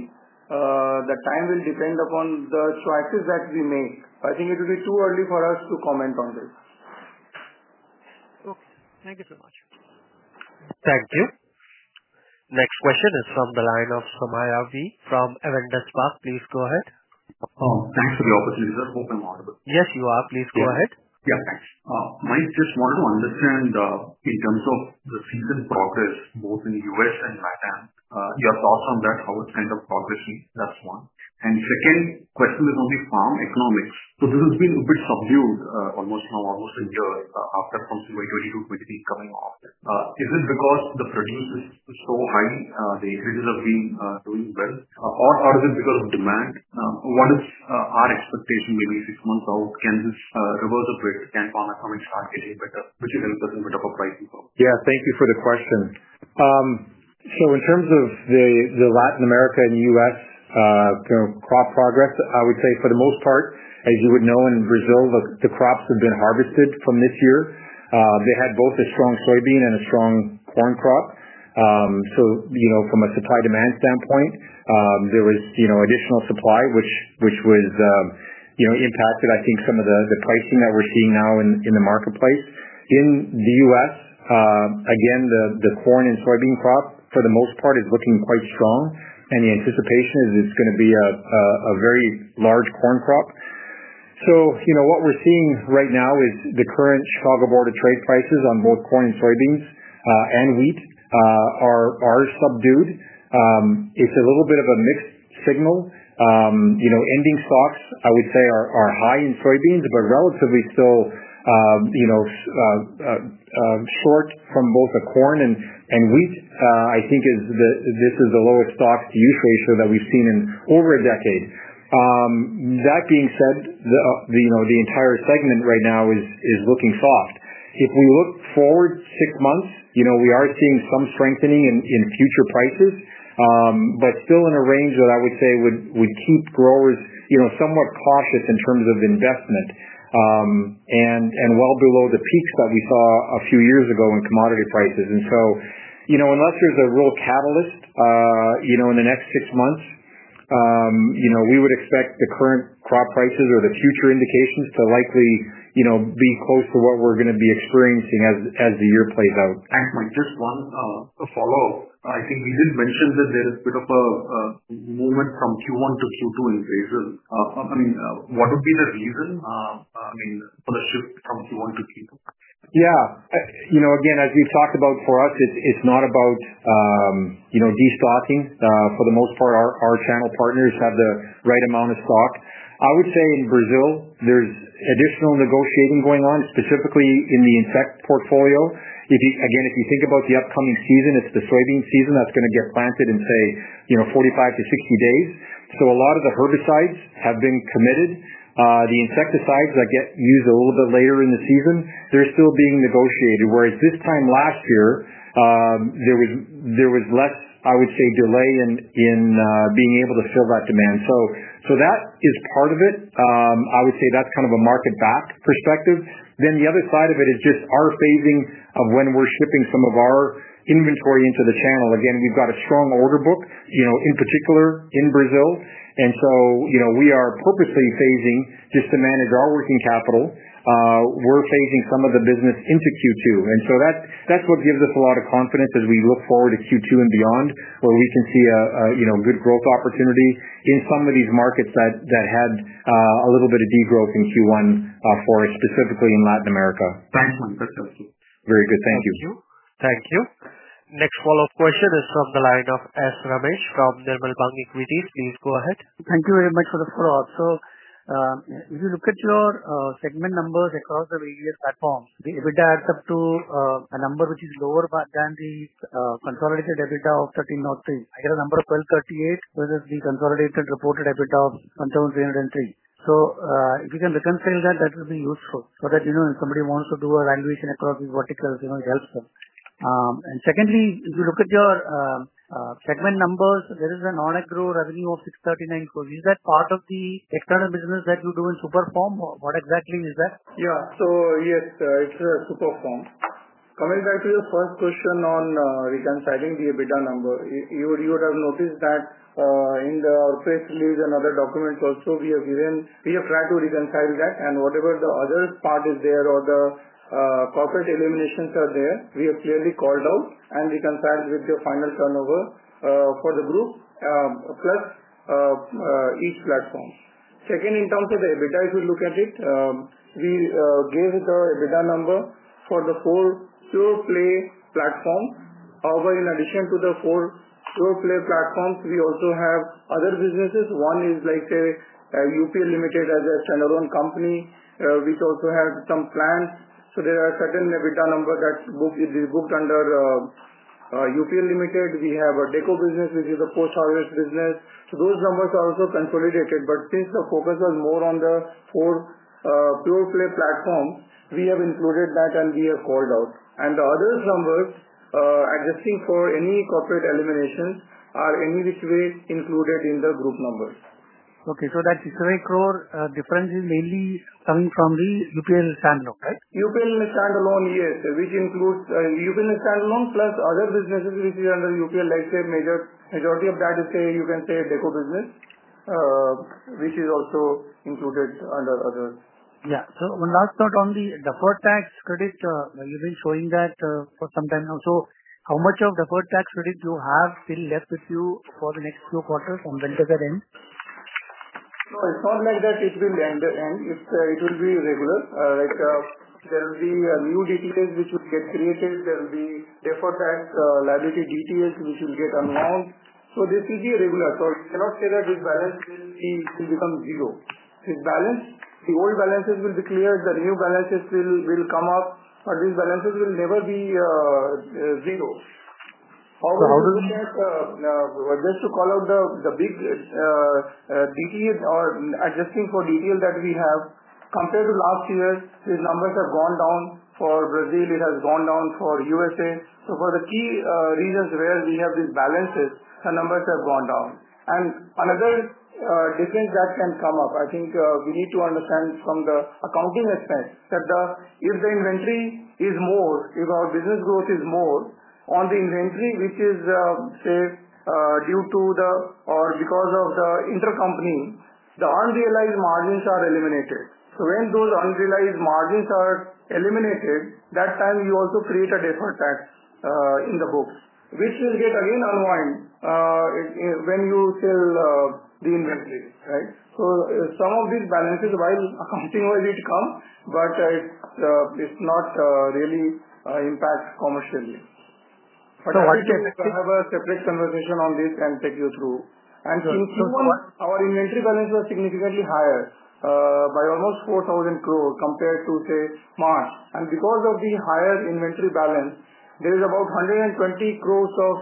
The time will depend upon the choices that we make. I think it will be too early for us to comment on this. Okay. Thank you so much. Thank you. Next question is from the line of Sumayya Adi from Aventis Park. Please go ahead. Thanks for the opportunity. I hope I'm audible. Yes. You are. Please go ahead. Yeah. Thanks. Mike, just want to understand in terms of the season progress, both in US and LatAm, Your thoughts on that, how it's kind of progressing? That's one. And second question is on the farm economics. So this has been a bit subdued almost now, almost a year after from February 2223 coming off. Is it because the producers so high, the increases have been doing well? Or is it because of demand? What is our expectation maybe six months out? Can this reverse the print? Can pharma start getting better, which is a little bit of a pricing problem? Yes. Thank you for the question. So in terms of the the Latin America and US crop progress, I would say, the most part, as you would know, in Brazil, the the crops have been harvested from this year. They had both a strong soybean and a strong corn crop. So from a supply demand standpoint, there was additional supply, was impacted, I think, some of the pricing that we're seeing now in the marketplace. In The U. S, again, the corn and soybean crop, for the most part, is looking quite strong. And the anticipation is it's going to be a very large corn crop. So what we're seeing right now is the current Chicago border trade prices on both corn and soybeans and wheat are subdued. It's a little bit of a mixed signal. Ending stocks, I would say, high in soybeans, but relatively still short from both the corn and wheat, I think this is the lowest stock to use ratio that we've seen in over a decade. That being said, the entire segment right now is looking soft. If we look forward six months, we are seeing some strengthening in future prices, but still in a range that I would say would keep growers somewhat cautious in terms of investment and well below the peak that we saw a few years ago in commodity prices. And so, unless there's a real catalyst in the next six months, we would expect the current crop prices or the future indications to likely you know, be close to what we're gonna be experiencing as as the year plays out. Thanks, Mike. Just one follow-up. I think you did mention that there is bit of a a movement from q one to q two in phases. I mean, what would be the reason, I mean, for the shift from Q1 to Q2? Yes. Again, as we've talked about for us, it's not about destocking. For the most part, our channel partners have the right amount of stock. I would say in Brazil, there's additional negotiating going on, specifically in the insect portfolio. Again, if you think about the upcoming season, it's the soybean season that's going to get planted in, say, forty five to sixty days. So a lot of the herbicides have been committed. The insecticides that get used a little bit later in the season, they're still being negotiated, whereas this time last year, was less, I would say, delay in being able to fill that demand. So that is part of it. I would say that's kind of a market back perspective. Then the other side of it is just our phasing of when we're shipping some of our inventory into the channel. Again, we've got a strong order book, in particular, in Brazil. And so we are purposely phasing just to manage our working capital. We're phasing some of the business into Q2. And so that's what gives us a lot of confidence as we look forward to Q2 and beyond, where we can see a good growth opportunity in some of these markets that had a little bit of degrowth in Q1 for it, specifically in Latin America. Next follow-up question is from the line of Ash Ramesh from Dirmal Bank Equities. Please go ahead. Thank you very much for the fraud. So if you look at your segment numbers across the various platforms, the EBITDA adds up to a number which is lower than the consolidated EBITDA of 13 o three. I get a number of twelve thirty eight, whether the consolidated reported EBITDA of 1,303. So if you can reconcile that, that will be useful. So that, you know, if somebody wants to do a valuation across these verticals, you know, it helps them. And secondly, if you look at your segment numbers, there is a non accrual revenue of $6.39 crores. Is that part of the external business that you do in Superform or what exactly is that? Yeah. So, yes, it's a Superform. Coming back to your first question on reconciling the EBITDA number, you you would have noticed that in the press release and other documents also, have given, we have tried to reconcile that and whatever the other part is there or the corporate eliminations are there, we have clearly called out and reconciled with the final turnover for the group, plus each platform. Second, in terms of the EBITDA, if you look at it, we gave the EBITDA number for the four pure play platform. However, in addition to the four pure play platforms, we also have other businesses. One is like, say, UP limited as a stand alone company, which also had some plans. So there are certain EBITDA number that's booked under UPL Limited. We have a deco business, which is a post harvest business. So those numbers are also consolidated, but since the focus was more on the four pure play platform, we have included that and we have called out. And the others numbers adjusting for any corporate eliminations are any which way included in the group numbers. Okay. So that is a crore difference is mainly coming from the UPL stand alone. Right? UPL stand alone, yes, which includes UPL stand alone plus other businesses which is under UPL, like, say, majority of that is, say, you can say, Deco business, which is also included under other. Yeah. So, one last note on the deferred tax credit, you've been showing that for some time now. So, how much of deferred tax credit you have still left with you for the next few quarters on vendor's end? No, it's not like that, it's been lender end, it's, it will be regular. Like, there will be new details, which will get created, there will be deferred tax liability details, which will get amount. So this is irregular. So we cannot say that this balance will become zero. This balance, the old balances will be cleared, the new balances will come up, but these balances will never be zero. How do we get just to call out the the big details or adjusting for detail that we have compared to last year, these numbers have gone down for Brazil, it has gone down for USA. So for the key reasons where we have these balances, the numbers have gone down. And another difference that can come up, I think we need to understand from the accounting expense that the if the inventory is more, if our business growth is more on the inventory, which is, say, due to the or because of the intercompany, the unrealized margins are eliminated. So when those unrealized margins are eliminated, that time you also create a deferred tax in the books, which will get again unwind when you sell the inventory. Right? So some of these balances while accounting will need to come, but it's not really impact commercially. But I can have a separate conversation on this and take you through. And in Q1, our inventory balance was significantly higher by almost 4,000 crores compared to, say, March. And because of the higher inventory balance, there is about 120 crores of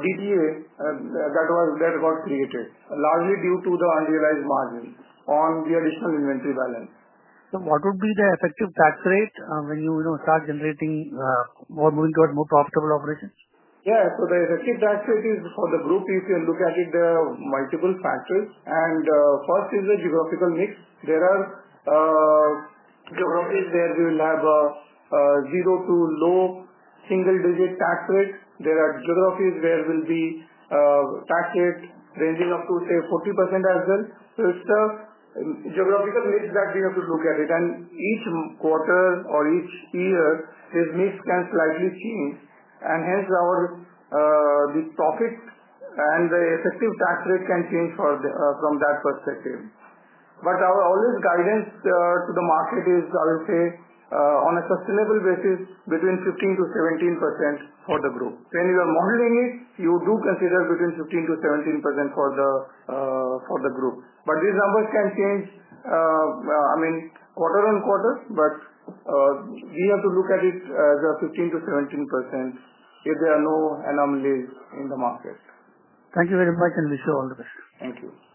DDA that was that was created, largely due to the unrealized margin on the additional inventory balance. Sir, what would be the effective tax rate when you, you know, start generating more moving towards more profitable operations? Yeah. So the effective tax rate is for the group. If you look at it, there are multiple factors. And first is the geographical mix. There are geographies where you'll have a zero to low single digit tax rate. There are geographies where we'll be tax rate ranging up to say 40% as well. So it's a geographical mix that we have to look at it. And each quarter or each year, this mix can slightly change. And hence our, this profit and the effective tax rate can change from that perspective. But our always guidance to the market is, I would say, on a sustainable basis between 15% to 17% for the group. When you are modeling it, you do consider between 15 to 17% for the for the group. But these numbers can change, I mean, quarter on quarter, but we have to look at it as a 15 to 17% if there are no anomalies in the market. Thank you very much, and wish you all the best. Thank you.